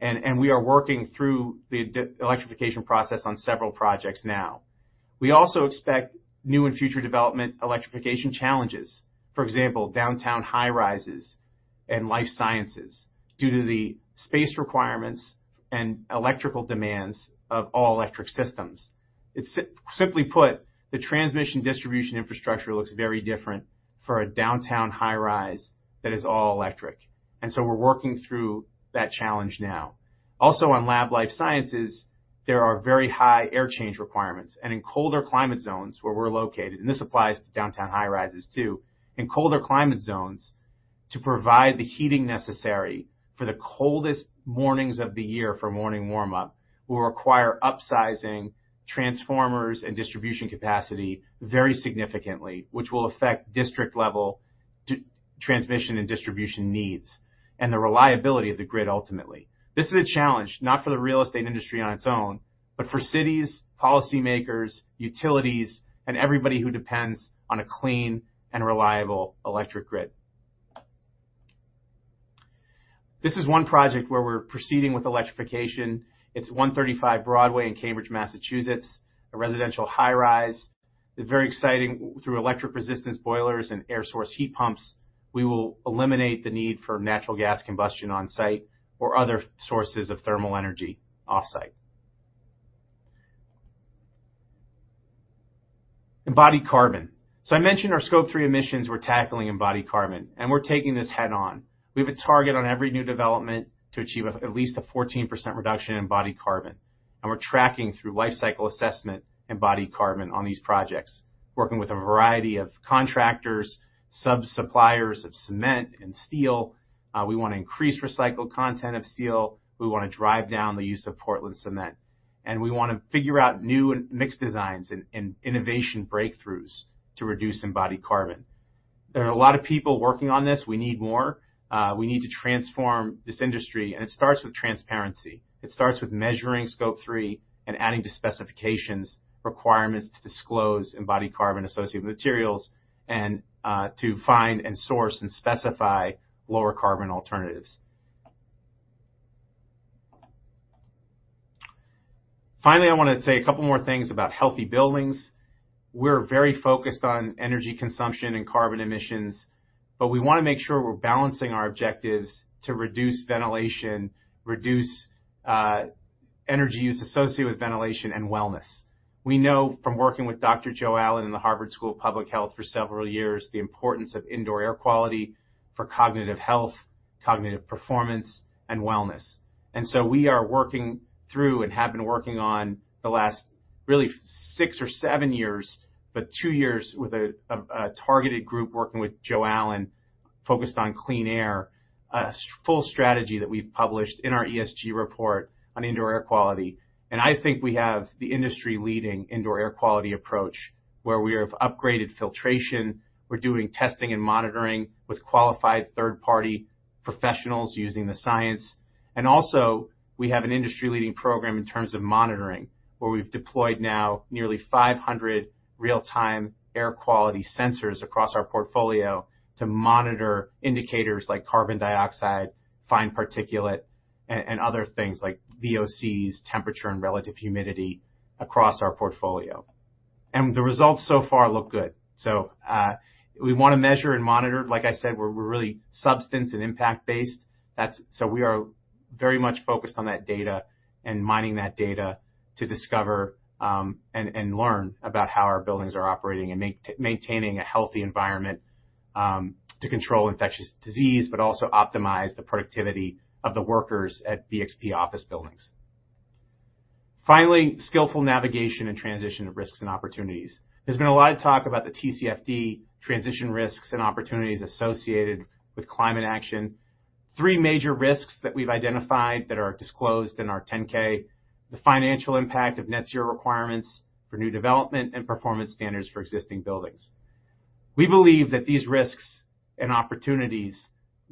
and we are working through the electrification process on several projects now. We also expect new and future development electrification challenges. For example, downtown high-rises and life sciences, due to the space requirements and electrical demands of all electric systems. It's simply put, the transmission distribution infrastructure looks very different for a downtown high-rise that is all electric. We're working through that challenge now. Also on lab life sciences, there are very high air change requirements. In colder climate zones where we're located, and this applies to downtown high-rises too. In colder climate zones, to provide the heating necessary for the coldest mornings of the year for morning warm-up will require upsizing transformers and distribution capacity very significantly, which will affect district level transmission and distribution needs and the reliability of the grid ultimately. This is a challenge not for the real estate industry on its own, but for cities, policymakers, utilities, and everybody who depends on a clean and reliable electric grid. This is one project where we're proceeding with electrification. It's 135 Broadway in Cambridge, Massachusetts, a residential high rise. It's very exciting. Through electric resistance boilers and air source heat pumps, we will eliminate the need for natural gas combustion on-site or other sources of thermal energy off-site. Embodied carbon. I mentioned our Scope 3 emissions we're tackling embodied carbon, and we're taking this head on. We have a target on every new development to achieve at least a 14% reduction in embodied carbon, and we're tracking through life cycle assessment embodied carbon on these projects, working with a variety of contractors, sub-suppliers of cement and steel. We wanna increase recycled content of steel. We wanna drive down the use of Portland cement, and we wanna figure out new and mixed designs and innovation breakthroughs to reduce embodied carbon. There are a lot of people working on this. We need more. We need to transform this industry, and it starts with transparency. It starts with measuring Scope 3 and adding to specifications requirements to disclose embodied carbon associated with materials and to find and source and specify lower carbon alternatives. Finally, I wanna say a couple more things about healthy buildings. We're very focused on energy consumption and carbon emissions, but we wanna make sure we're balancing our objectives to reduce ventilation, reduce energy use associated with ventilation and wellness. We know from working with Dr. Joe Allen in the Harvard T.H. Chan School of Public Health for several years, the importance of indoor air quality for cognitive health, cognitive performance and wellness. We are working through and have been working on the last really six or seven years, but two years with a targeted group working with Joe Allen focused on clean air, a full strategy that we've published in our ESG report on indoor air quality. I think we have the industry leading indoor air quality approach where we have upgraded filtration, we're doing testing and monitoring with qualified third party professionals using the science. We have an industry-leading program in terms of monitoring, where we've deployed now nearly 500 real-time air quality sensors across our portfolio to monitor indicators like carbon dioxide, fine particulate and other things like VOCs, temperature and relative humidity across our portfolio. The results so far look good. We want to measure and monitor. Like I said, we're really substance and impact based. We are very much focused on that data and mining that data to discover and learn about how our buildings are operating and maintaining a healthy environment to control infectious disease, but also optimize the productivity of the workers at BXP office buildings. Finally, skillful navigation and transition of risks and opportunities. There's been a lot of talk about the TCFD transition risks and opportunities associated with climate action. Three major risks that we've identified that are disclosed in our 10-K, the financial impact of net zero requirements for new development and performance standards for existing buildings. We believe that these risks and opportunities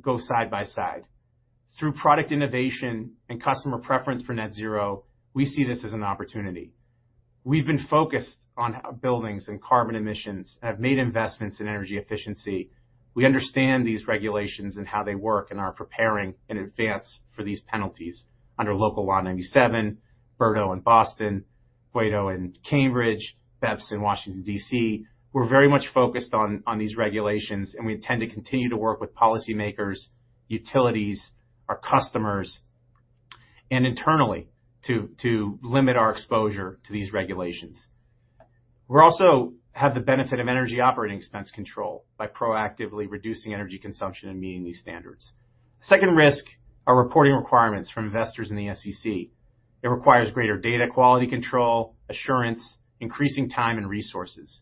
go side by side. Through product innovation and customer preference for net zero, we see this as an opportunity. We've been focused on buildings and carbon emissions, have made investments in energy efficiency. We understand these regulations and how they work and are preparing in advance for these penalties under Local Law 97, BERDO in Boston, BEUDO in Cambridge, BEPS in Washington, D.C. We're very much focused on these regulations, and we intend to continue to work with policymakers, utilities, our customers, and internally to limit our exposure to these regulations. We also have the benefit of energy operating expense control by proactively reducing energy consumption and meeting these standards. Second risk are reporting requirements from investors and the SEC. It requires greater data quality control, assurance, increasing time and resources.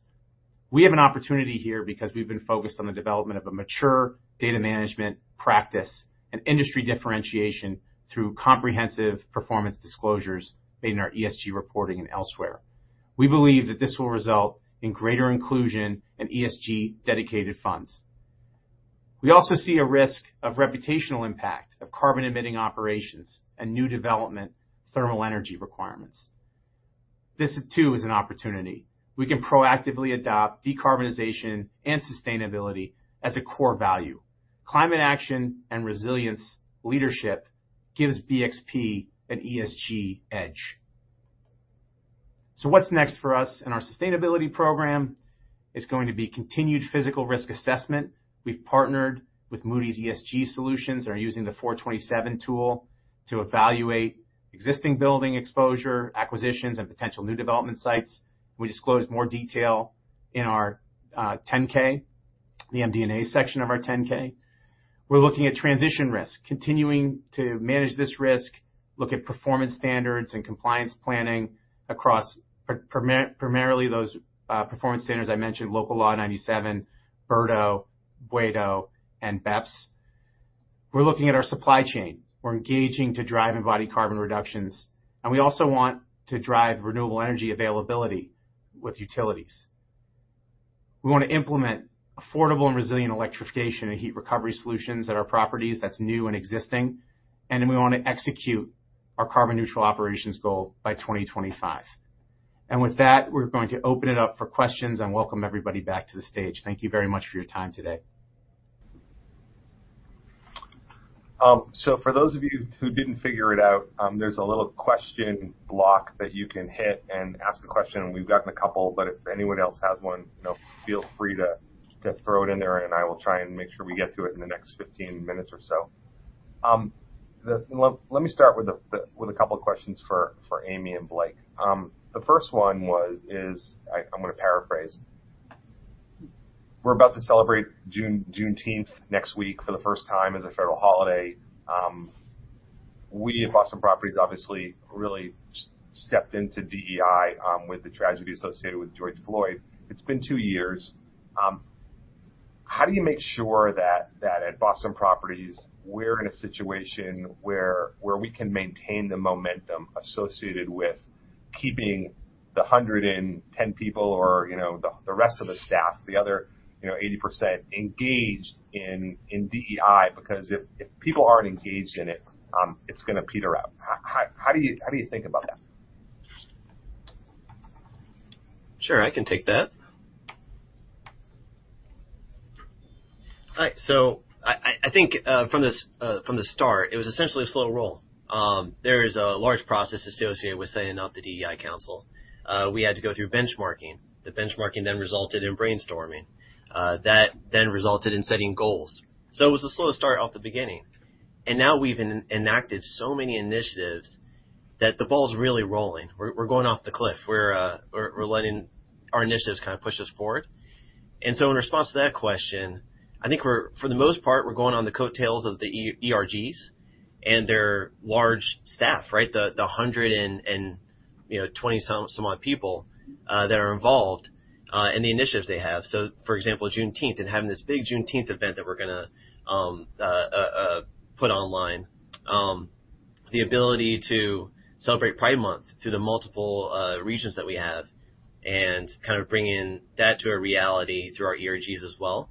We have an opportunity here because we've been focused on the development of a mature data management practice and industry differentiation through comprehensive performance disclosures made in our ESG reporting and elsewhere. We believe that this will result in greater inclusion in ESG dedicated funds. We also see a risk of reputational impact of carbon emitting operations and new development thermal energy requirements. This too is an opportunity. We can proactively adopt decarbonization and sustainability as a core value. Climate action and resilience leadership gives BXP an ESG edge. What's next for us in our sustainability program? It's going to be continued physical risk assessment. We've partnered with Moody's ESG Solutions and are using the Four Twenty Seven tool to evaluate existing building exposure, acquisitions and potential new development sites. We disclose more detail in our 10-K, the MD&A section of our 10-K. We're looking at transition risk, continuing to manage this risk, look at performance standards and compliance planning across primarily those performance standards I mentioned, Local Law 97, BERDO, BEUDO and BEPS. We're looking at our supply chain. We're engaging to drive embodied carbon reductions, and we also want to drive renewable energy availability with utilities. We want to implement affordable and resilient electrification and heat recovery solutions at our properties that's new and existing, and then we want to execute our carbon neutral operations goal by 2025. With that, we're going to open it up for questions and welcome everybody back to the stage. Thank you very much for your time today. For those of you who didn't figure it out, there's a little question block that you can hit and ask a question. We've gotten a couple, but if anyone else has one, feel free to throw it in there, and I will try and make sure we get to it in the next 15 minutes or so. Let me start with a couple of questions for Amy and Blake. The first one was. I'm gonna paraphrase. We're about to celebrate June, Juneteenth next week for the first time as a federal holiday. We at Boston Properties obviously really stepped into DEI with the tragedy associated with George Floyd. It's been 2 years. How do you make sure that at Boston Properties, we're in a situation where we can maintain the momentum associated with keeping the 110 people or, the rest of the staff, the other, 80% engaged in DEI? Because if people aren't engaged in it's gonna peter out. How do you think about that? Sure, I can take that. All right. I think from the start, it was essentially a slow roll. There is a large process associated with setting up the DEI council. We had to go through benchmarking. The benchmarking then resulted in brainstorming. That then resulted in setting goals. It was a slow start off the beginning. Now we've enacted so many initiatives that the ball's really rolling. We're going off the cliff. We're letting our initiatives kind of push us forward. In response to that question, I think we're for the most part, we're going on the coattails of the ERGs and their large staff, right? The 100 and, 20-some odd people that are involved in the initiatives they have. For example, Juneteenth and having this big Juneteenth event that we're gonna put online. The ability to celebrate Pride Month through the multiple regions that we have and kind of bringing that to a reality through our ERGs as well.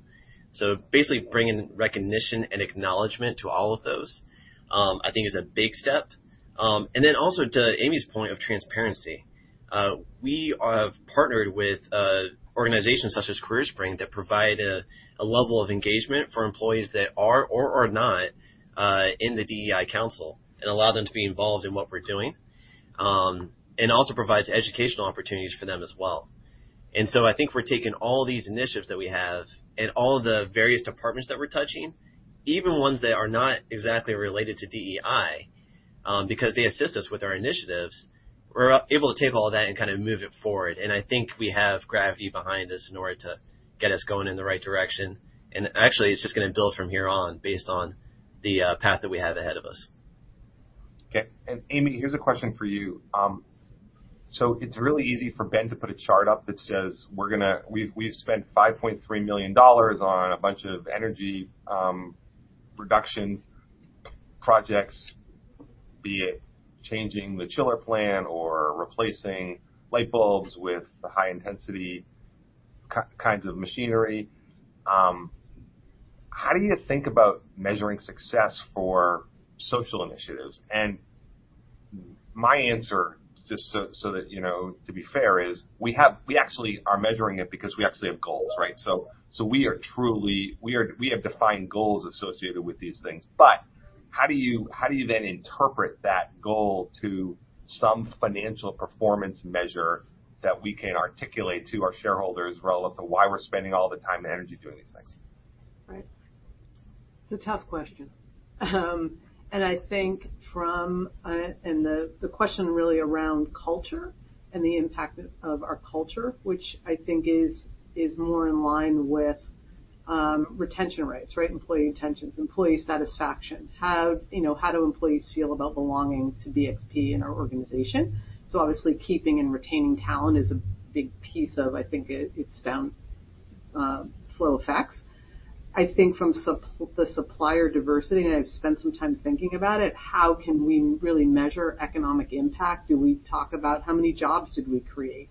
Basically bringing recognition and acknowledgement to all of those, I think is a big step. To Amy's point of transparency, we have partnered with organizations such as CareerSpring that provide a level of engagement for employees that are or are not in the DEI council and allow them to be involved in what we're doing, and also provides educational opportunities for them as well. I think we're taking all these initiatives that we have and all the various departments that we're touching, even ones that are not exactly related to DEI, because they assist us with our initiatives. We're able to take all that and kind of move it forward. I think we have gravity behind us in order to get us going in the right direction. Actually, it's just gonna build from here on based on the path that we have ahead of us. Amy, here's a question for you. It's really easy for Ben to put a chart up that says, we've spent $5.3 million on a bunch of energy reduction projects, be it changing the chiller plant or replacing light bulbs with the high intensity kinds of machinery. How do you think about measuring success for social initiatives? My answer, to be fair, is we actually are measuring it because we actually have goals, right? We have defined goals associated with these things. How do you then interpret that goal to some financial performance measure that we can articulate to our shareholders relative to why we're spending all the time and energy doing these things? Right. It's a tough question. I think the question really around culture and the impact of our culture, which I think is more in line with retention rates, right? Employee retention, employee satisfaction. How do employees feel about belonging to BXP and our organization? Obviously keeping and retaining talent is a big piece of, I think its downstream effects. I think from the supplier diversity, and I've spent some time thinking about it, how can we really measure economic impact? Do we talk about how many jobs did we create?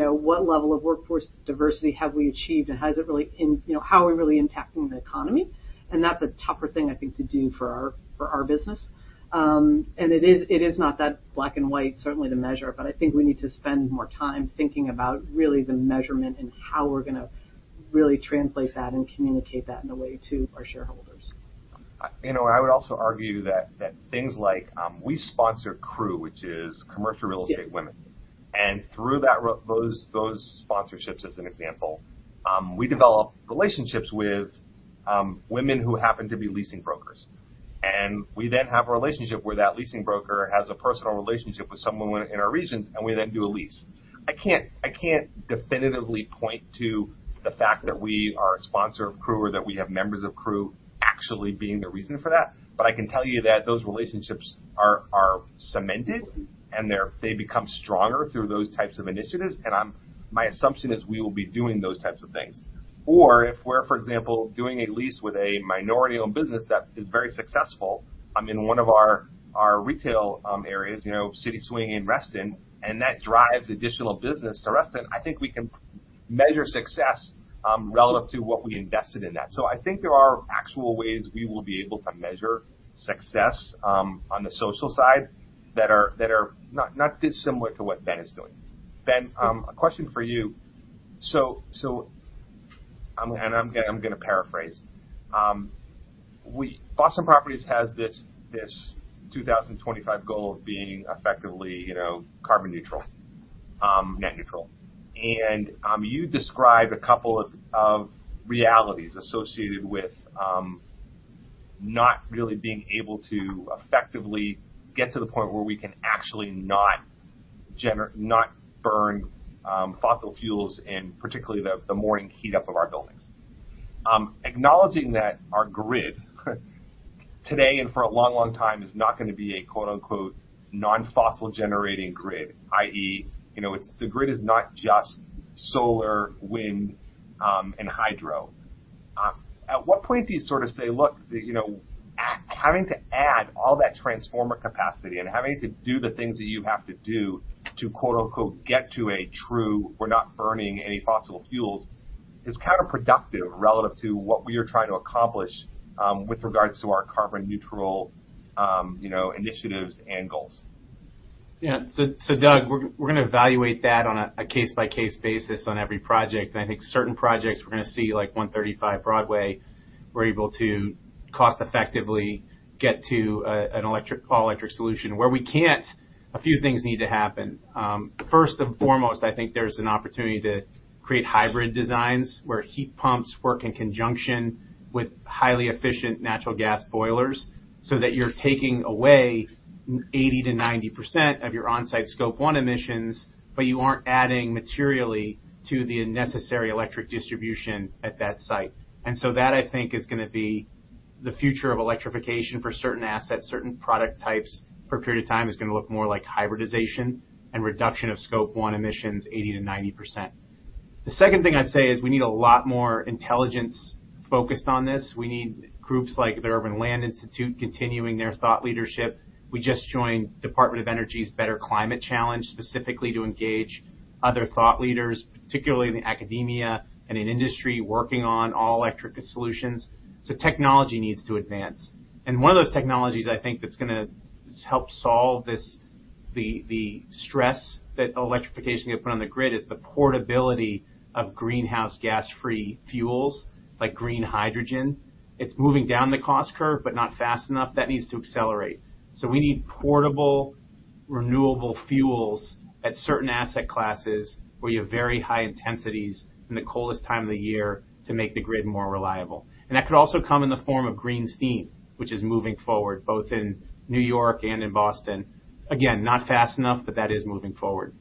what level of workforce diversity have we achieved, and has it really impacting how are we really impacting the economy? That's a tougher thing, I think, to do for our business. It is not that black and white, certainly to measure, but I think we need to spend more time thinking about really the measurement and how we're gonna really translate that and communicate that in a way to our shareholders. I would also argue that things like we sponsor CREW, which is Commercial Real Estate Women. Through those sponsorships, as an example, we develop relationships with women who happen to be leasing brokers. We then have a relationship where that leasing broker has a personal relationship with someone in our regions, and we then do a lease. I can't definitively point to the fact that we are a sponsor of CREW or that we have members of CREW actually being the reason for that, but I can tell you that those relationships are cemented and they become stronger through those types of initiatives. My assumption is we will be doing those types of things. If we're, for example, doing a lease with a minority-owned business that is very successful, in one of our retail areas, CitySwing in Reston, and that drives additional business to Reston, I think we can measure success relative to what we invested in that. I think there are actual ways we will be able to measure success on the social side that are not dissimilar to what Ben is doing. Ben, a question for you. I'm gonna paraphrase. Boston Properties has this 2025 goal of being effectively, carbon neutral, net neutral. You described a couple of realities associated with not really being able to effectively get to the point where we can actually not burn fossil fuels in particularly the morning heat-up of our buildings. Acknowledging that our grid, today and for a long, long time is not gonna be a quote-unquote, "non-fossil generating grid," i.e., the grid is not just solar, wind, and hydro. At what point do you say, look, having to add all that transformer capacity and having to do the things that you have to do to, quote-unquote, "get to a true we're not burning any fossil fuels," is counterproductive relative to what we are trying to accomplish with regards to our carbon neutral initiatives and goals. Doug, we're gonna evaluate that on a case-by-case basis on every project. I think certain projects we're gonna see, like 135 Broadway. We're able to cost effectively get to an all electric solution. Where we can't, a few things need to happen. First and foremost, I think there's an opportunity to create hybrid designs where heat pumps work in conjunction with highly efficient natural gas boilers so that you're taking away 80%-90% of your on-site Scope 1 emissions, but you aren't adding materially to the necessary electric distribution at that site. That I think is gonna be the future of electrification for certain assets. Certain product types for a period of time is gonna look more like hybridization and reduction of Scope 1 emissions, 80% to 90%. The second thing I'd say is we need a lot more intelligence focused on this. We need groups like the Urban Land Institute continuing their thought leadership. We just joined Department of Energy's Better Climate Challenge specifically to engage other thought leaders, particularly in academia and in industry, working on all electric solutions. Technology needs to advance. One of those technologies I think that's gonna help solve this, the stress that electrification can put on the grid is the portability of greenhouse gas-free fuels like green hydrogen. It's moving down the cost curve but not fast enough. That needs to accelerate. We need portable, renewable fuels at certain asset classes where you have very high intensities in the coldest time of the year to make the grid more reliable. That could also come in the form of green steam, which is moving forward both in New York and in Boston. Again, not fast enough, but that is moving forward.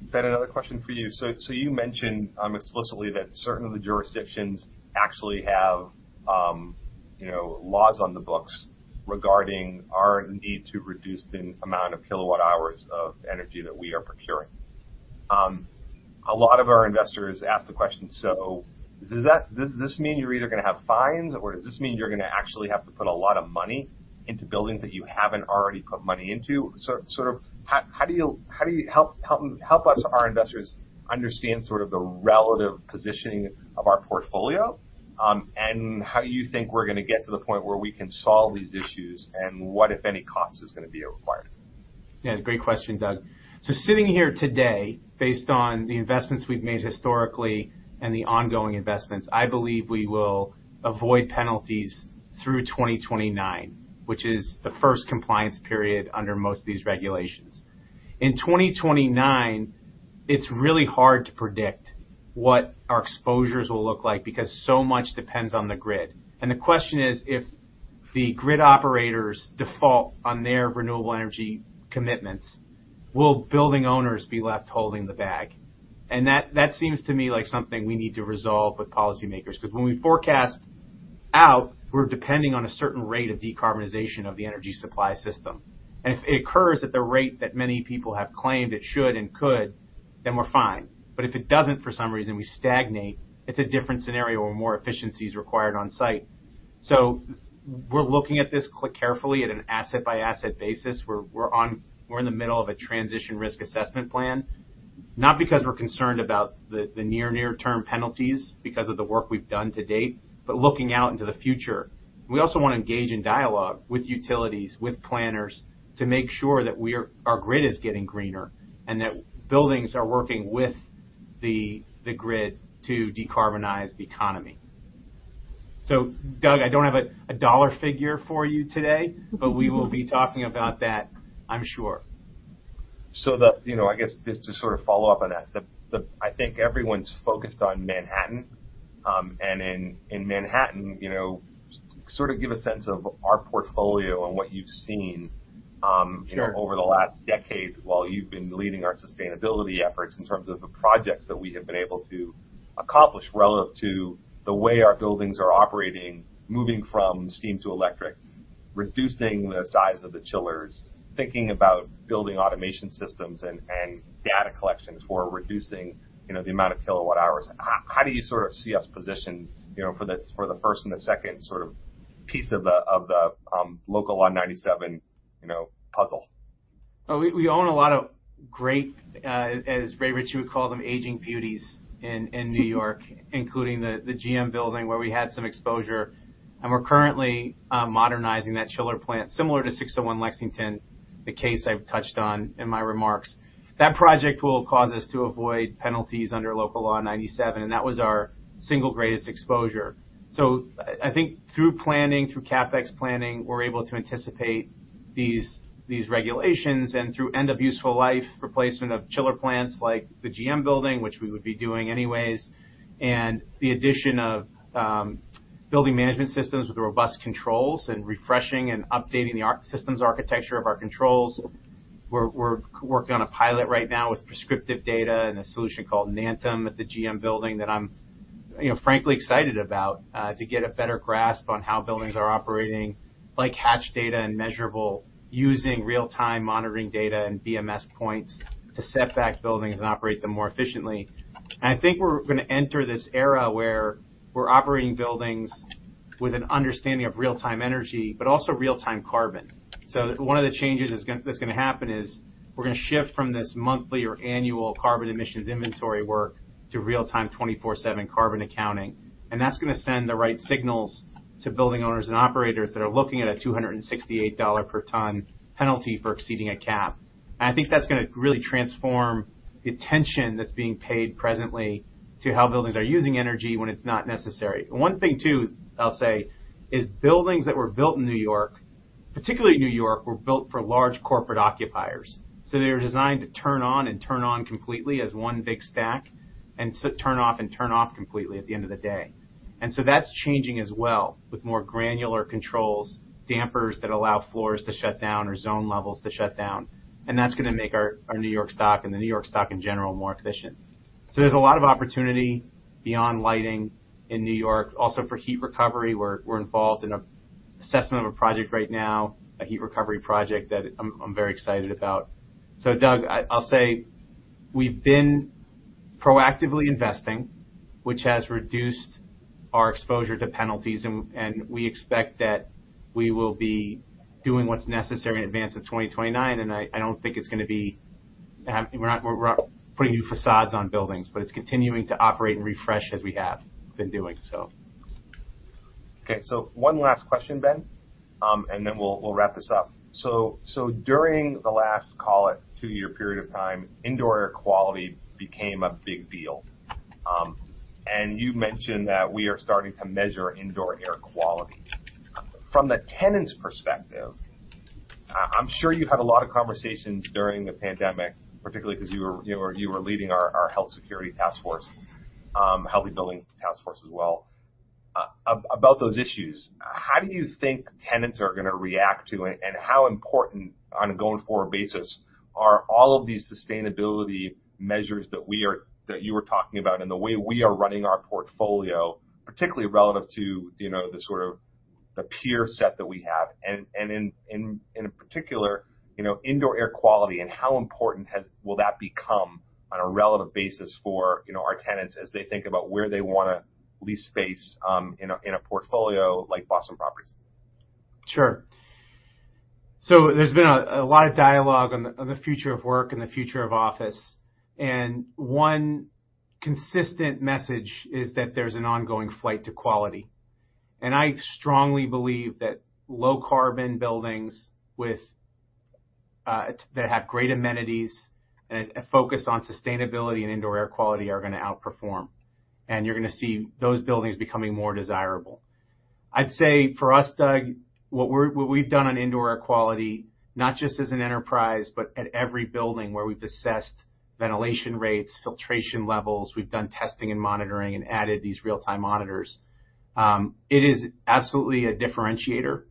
Ben, another question for you. You mentioned explicitly that certain of the jurisdictions actually have, laws on the books regarding our need to reduce the amount of kilowatt hours of energy that we are procuring. A lot of our investors ask the question, "So does this mean you're either gonna have fines or does this mean you're gonna actually have to put a lot of money into buildings that you haven't already put money into?" how do you help us, our investors, understand the relative positioning of our portfolio, and how you think we're gonna get to the point where we can solve these issues and what, if any, cost is gonna be required. Great question, Doug. Sitting here today, based on the investments we've made historically and the ongoing investments, I believe we will avoid penalties through 2029, which is the first compliance period under most of these regulations. In 2029, it's really hard to predict what our exposures will look like because so much depends on the grid. The question is, if the grid operators default on their renewable energy commitments, will building owners be left holding the bag? That seems to me like something we need to resolve with policymakers, 'cause when we forecast out, we're depending on a certain rate of decarbonization of the energy supply system. If it occurs at the rate that many people have claimed it should and could, then we're fine. If it doesn't, for some reason, we stagnate, it's a different scenario where more efficiency is required on site. We're looking at this carefully at an asset by asset basis. We're in the middle of a transition risk assessment plan, not because we're concerned about the near term penalties because of the work we've done to date, but looking out into the future. We also wanna engage in dialogue with utilities, with planners to make sure that our grid is getting greener and that buildings are working with the grid to decarbonize the economy. Doug, I don't have a dollar figure for you today, but we will be talking about that, I'm sure. I guess just to follow up on that, I think everyone's focused on Manhattan, and in Manhattan give a sense of our portfolio and what you've seen. Sure. Over the last decade while you've been leading our sustainability efforts in terms of the projects that we have been able to accomplish relative to the way our buildings are operating, moving from steam to electric, reducing the size of the chillers, thinking about building automation systems and data collections for reducing, the amount of kilowatt hours. How do you see us positioned, for the first and the second piece of the Local Law 97 puzzle? We own a lot of great, as Ray Ritchey would call them, aging beauties in New York, including the GM Building where we had some exposure. We're currently modernizing that chiller plant similar to 601 Lexington, the case I've touched on in my remarks. That project will cause us to avoid penalties under Local Law 97, and that was our single greatest exposure. I think through planning, through CapEx planning, we're able to anticipate these regulations. Through end of useful life replacement of chiller plants like the GM Building, which we would be doing anyways, and the addition of building management systems with robust controls and refreshing and updating our systems architecture of our controls. We're working on a pilot right now with Prescriptive Data and a solution called Nantum at the GM Building that I'm, frankly excited about to get a better grasp on how buildings are operating, like Hatch Data and Measurabl using real-time monitoring data and BMS points to set back buildings and operate them more efficiently. I think we're gonna enter this era where we're operating buildings with an understanding of real-time energy, but also real-time carbon. One of the changes that's gonna happen is we're gonna shift from this monthly or annual carbon emissions inventory work to real-time 24/7 carbon accounting. That's gonna send the right signals to building owners and operators that are looking at a $268 per ton penalty for exceeding a cap. I think that's gonna really transform the attention that's being paid presently to how buildings are using energy when it's not necessary. One thing too, I'll say, is buildings that were built in New York, particularly New York, were built for large corporate occupiers. They were designed to turn on completely as one big stack, and turn off completely at the end of the day. That's changing as well with more granular controls, dampers that allow floors to shut down or zone levels to shut down. That's gonna make our New York stock and the New York stock in general, more efficient. There's a lot of opportunity beyond lighting in New York. Also for heat recovery, we're involved in an assessment of a project right now, a heat recovery project that I'm very excited about. Doug, I'll say we've been proactively investing, which has reduced our exposure to penalties and we expect that we will be doing what's necessary in advance of 2029. I don't think it's gonna be. We're putting new facades on buildings, but it's continuing to operate and refresh as we have been doing so. Okay. One last question, Ben, and then we'll wrap this up. During the last call, a two-year period of time, indoor air quality became a big deal. You mentioned that we are starting to measure indoor air quality. From the tenant's perspective, I'm sure you had a lot of conversations during the pandemic, particularly 'cause you were leading our health security task force, healthy building task force as well, about those issues. How do you think tenants are gonna react to, and how important on a going forward basis are all of these sustainability measures that you were talking about and the way we are running our portfolio, particularly relative to, the peer set that we have? In particular, ndoor air quality and how important will that become on a relative basis for, our tenants as they think about where they wanna lease space, in a portfolio like Boston Properties? Sure. There's been a lot of dialogue on the future of work and the future of office, and one consistent message is that there's an ongoing flight to quality. I strongly believe that low carbon buildings with that have great amenities and a focus on sustainability and indoor air quality are gonna outperform, and you're gonna see those buildings becoming more desirable. I'd say for us, Doug, what we've done on indoor air quality, not just as an enterprise, but at every building where we've assessed ventilation rates, filtration levels, we've done testing and monitoring and added these real-time monitors, it is absolutely a differentiator,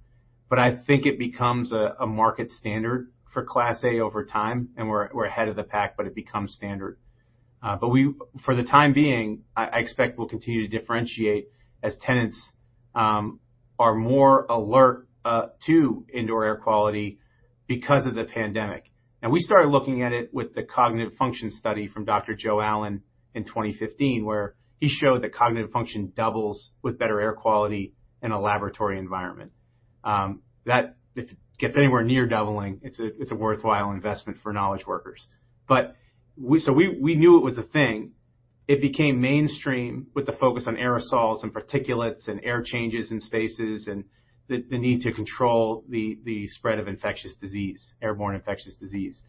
but I think it becomes a market standard for Class A over time, and we're ahead of the pack, but it becomes standard. For the time being, I expect we'll continue to differentiate as tenants are more alert to indoor air quality because of the pandemic. We started looking at it with the cognitive function study from Dr. Joseph G. Allen in 2015, where he showed that cognitive function doubles with better air quality in a laboratory environment. That if it gets anywhere near doubling, it's a worthwhile investment for knowledge workers. We knew it was a thing. It became mainstream with the focus on aerosols and particulates and air changes in spaces and the need to control the spread of infectious disease, airborne infectious disease.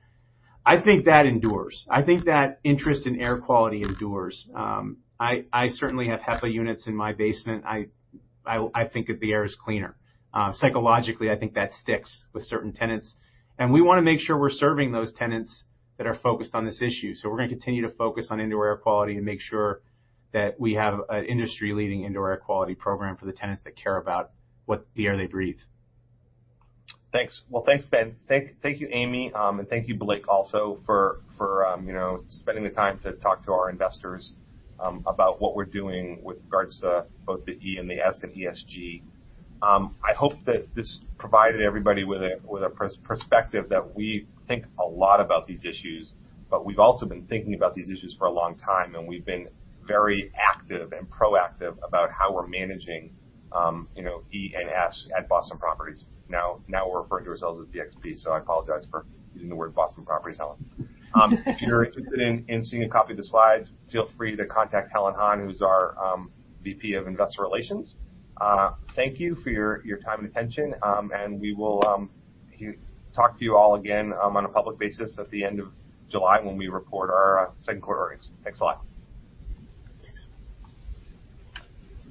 I think that endures. I think that interest in air quality endures. I certainly have HEPA units in my basement. I think that the air is cleaner. Psychologically, I think that sticks with certain tenants. We wanna make sure we're serving those tenants that are focused on this issue. We're gonna continue to focus on indoor air quality and make sure that we have an industry-leading indoor air quality program for the tenants that care about the air they breathe. Thanks. Well, thanks, Ben. Thank you, Amy. And thank you, Blake, also for spending the time to talk to our investors about what we're doing with regards to both the E and the S and ESG. I hope that this provided everybody with a perspective that we think a lot about these issues, but we've also been thinking about these issues for a long time, and we've been very active and proactive about how we're managing E and S at Boston Properties. Now we're referring to ourselves as BXP, so I apologize for using the word Boston Properties, Helen. If you're interested in seeing a copy of the slides, feel free to contact Helen Han, who's our VP of Investor Relations. Thank you for your time and attention. We will talk to you all again on a public basis at the end of July when we report our second quarter earnings. Thanks a lot. Thanks.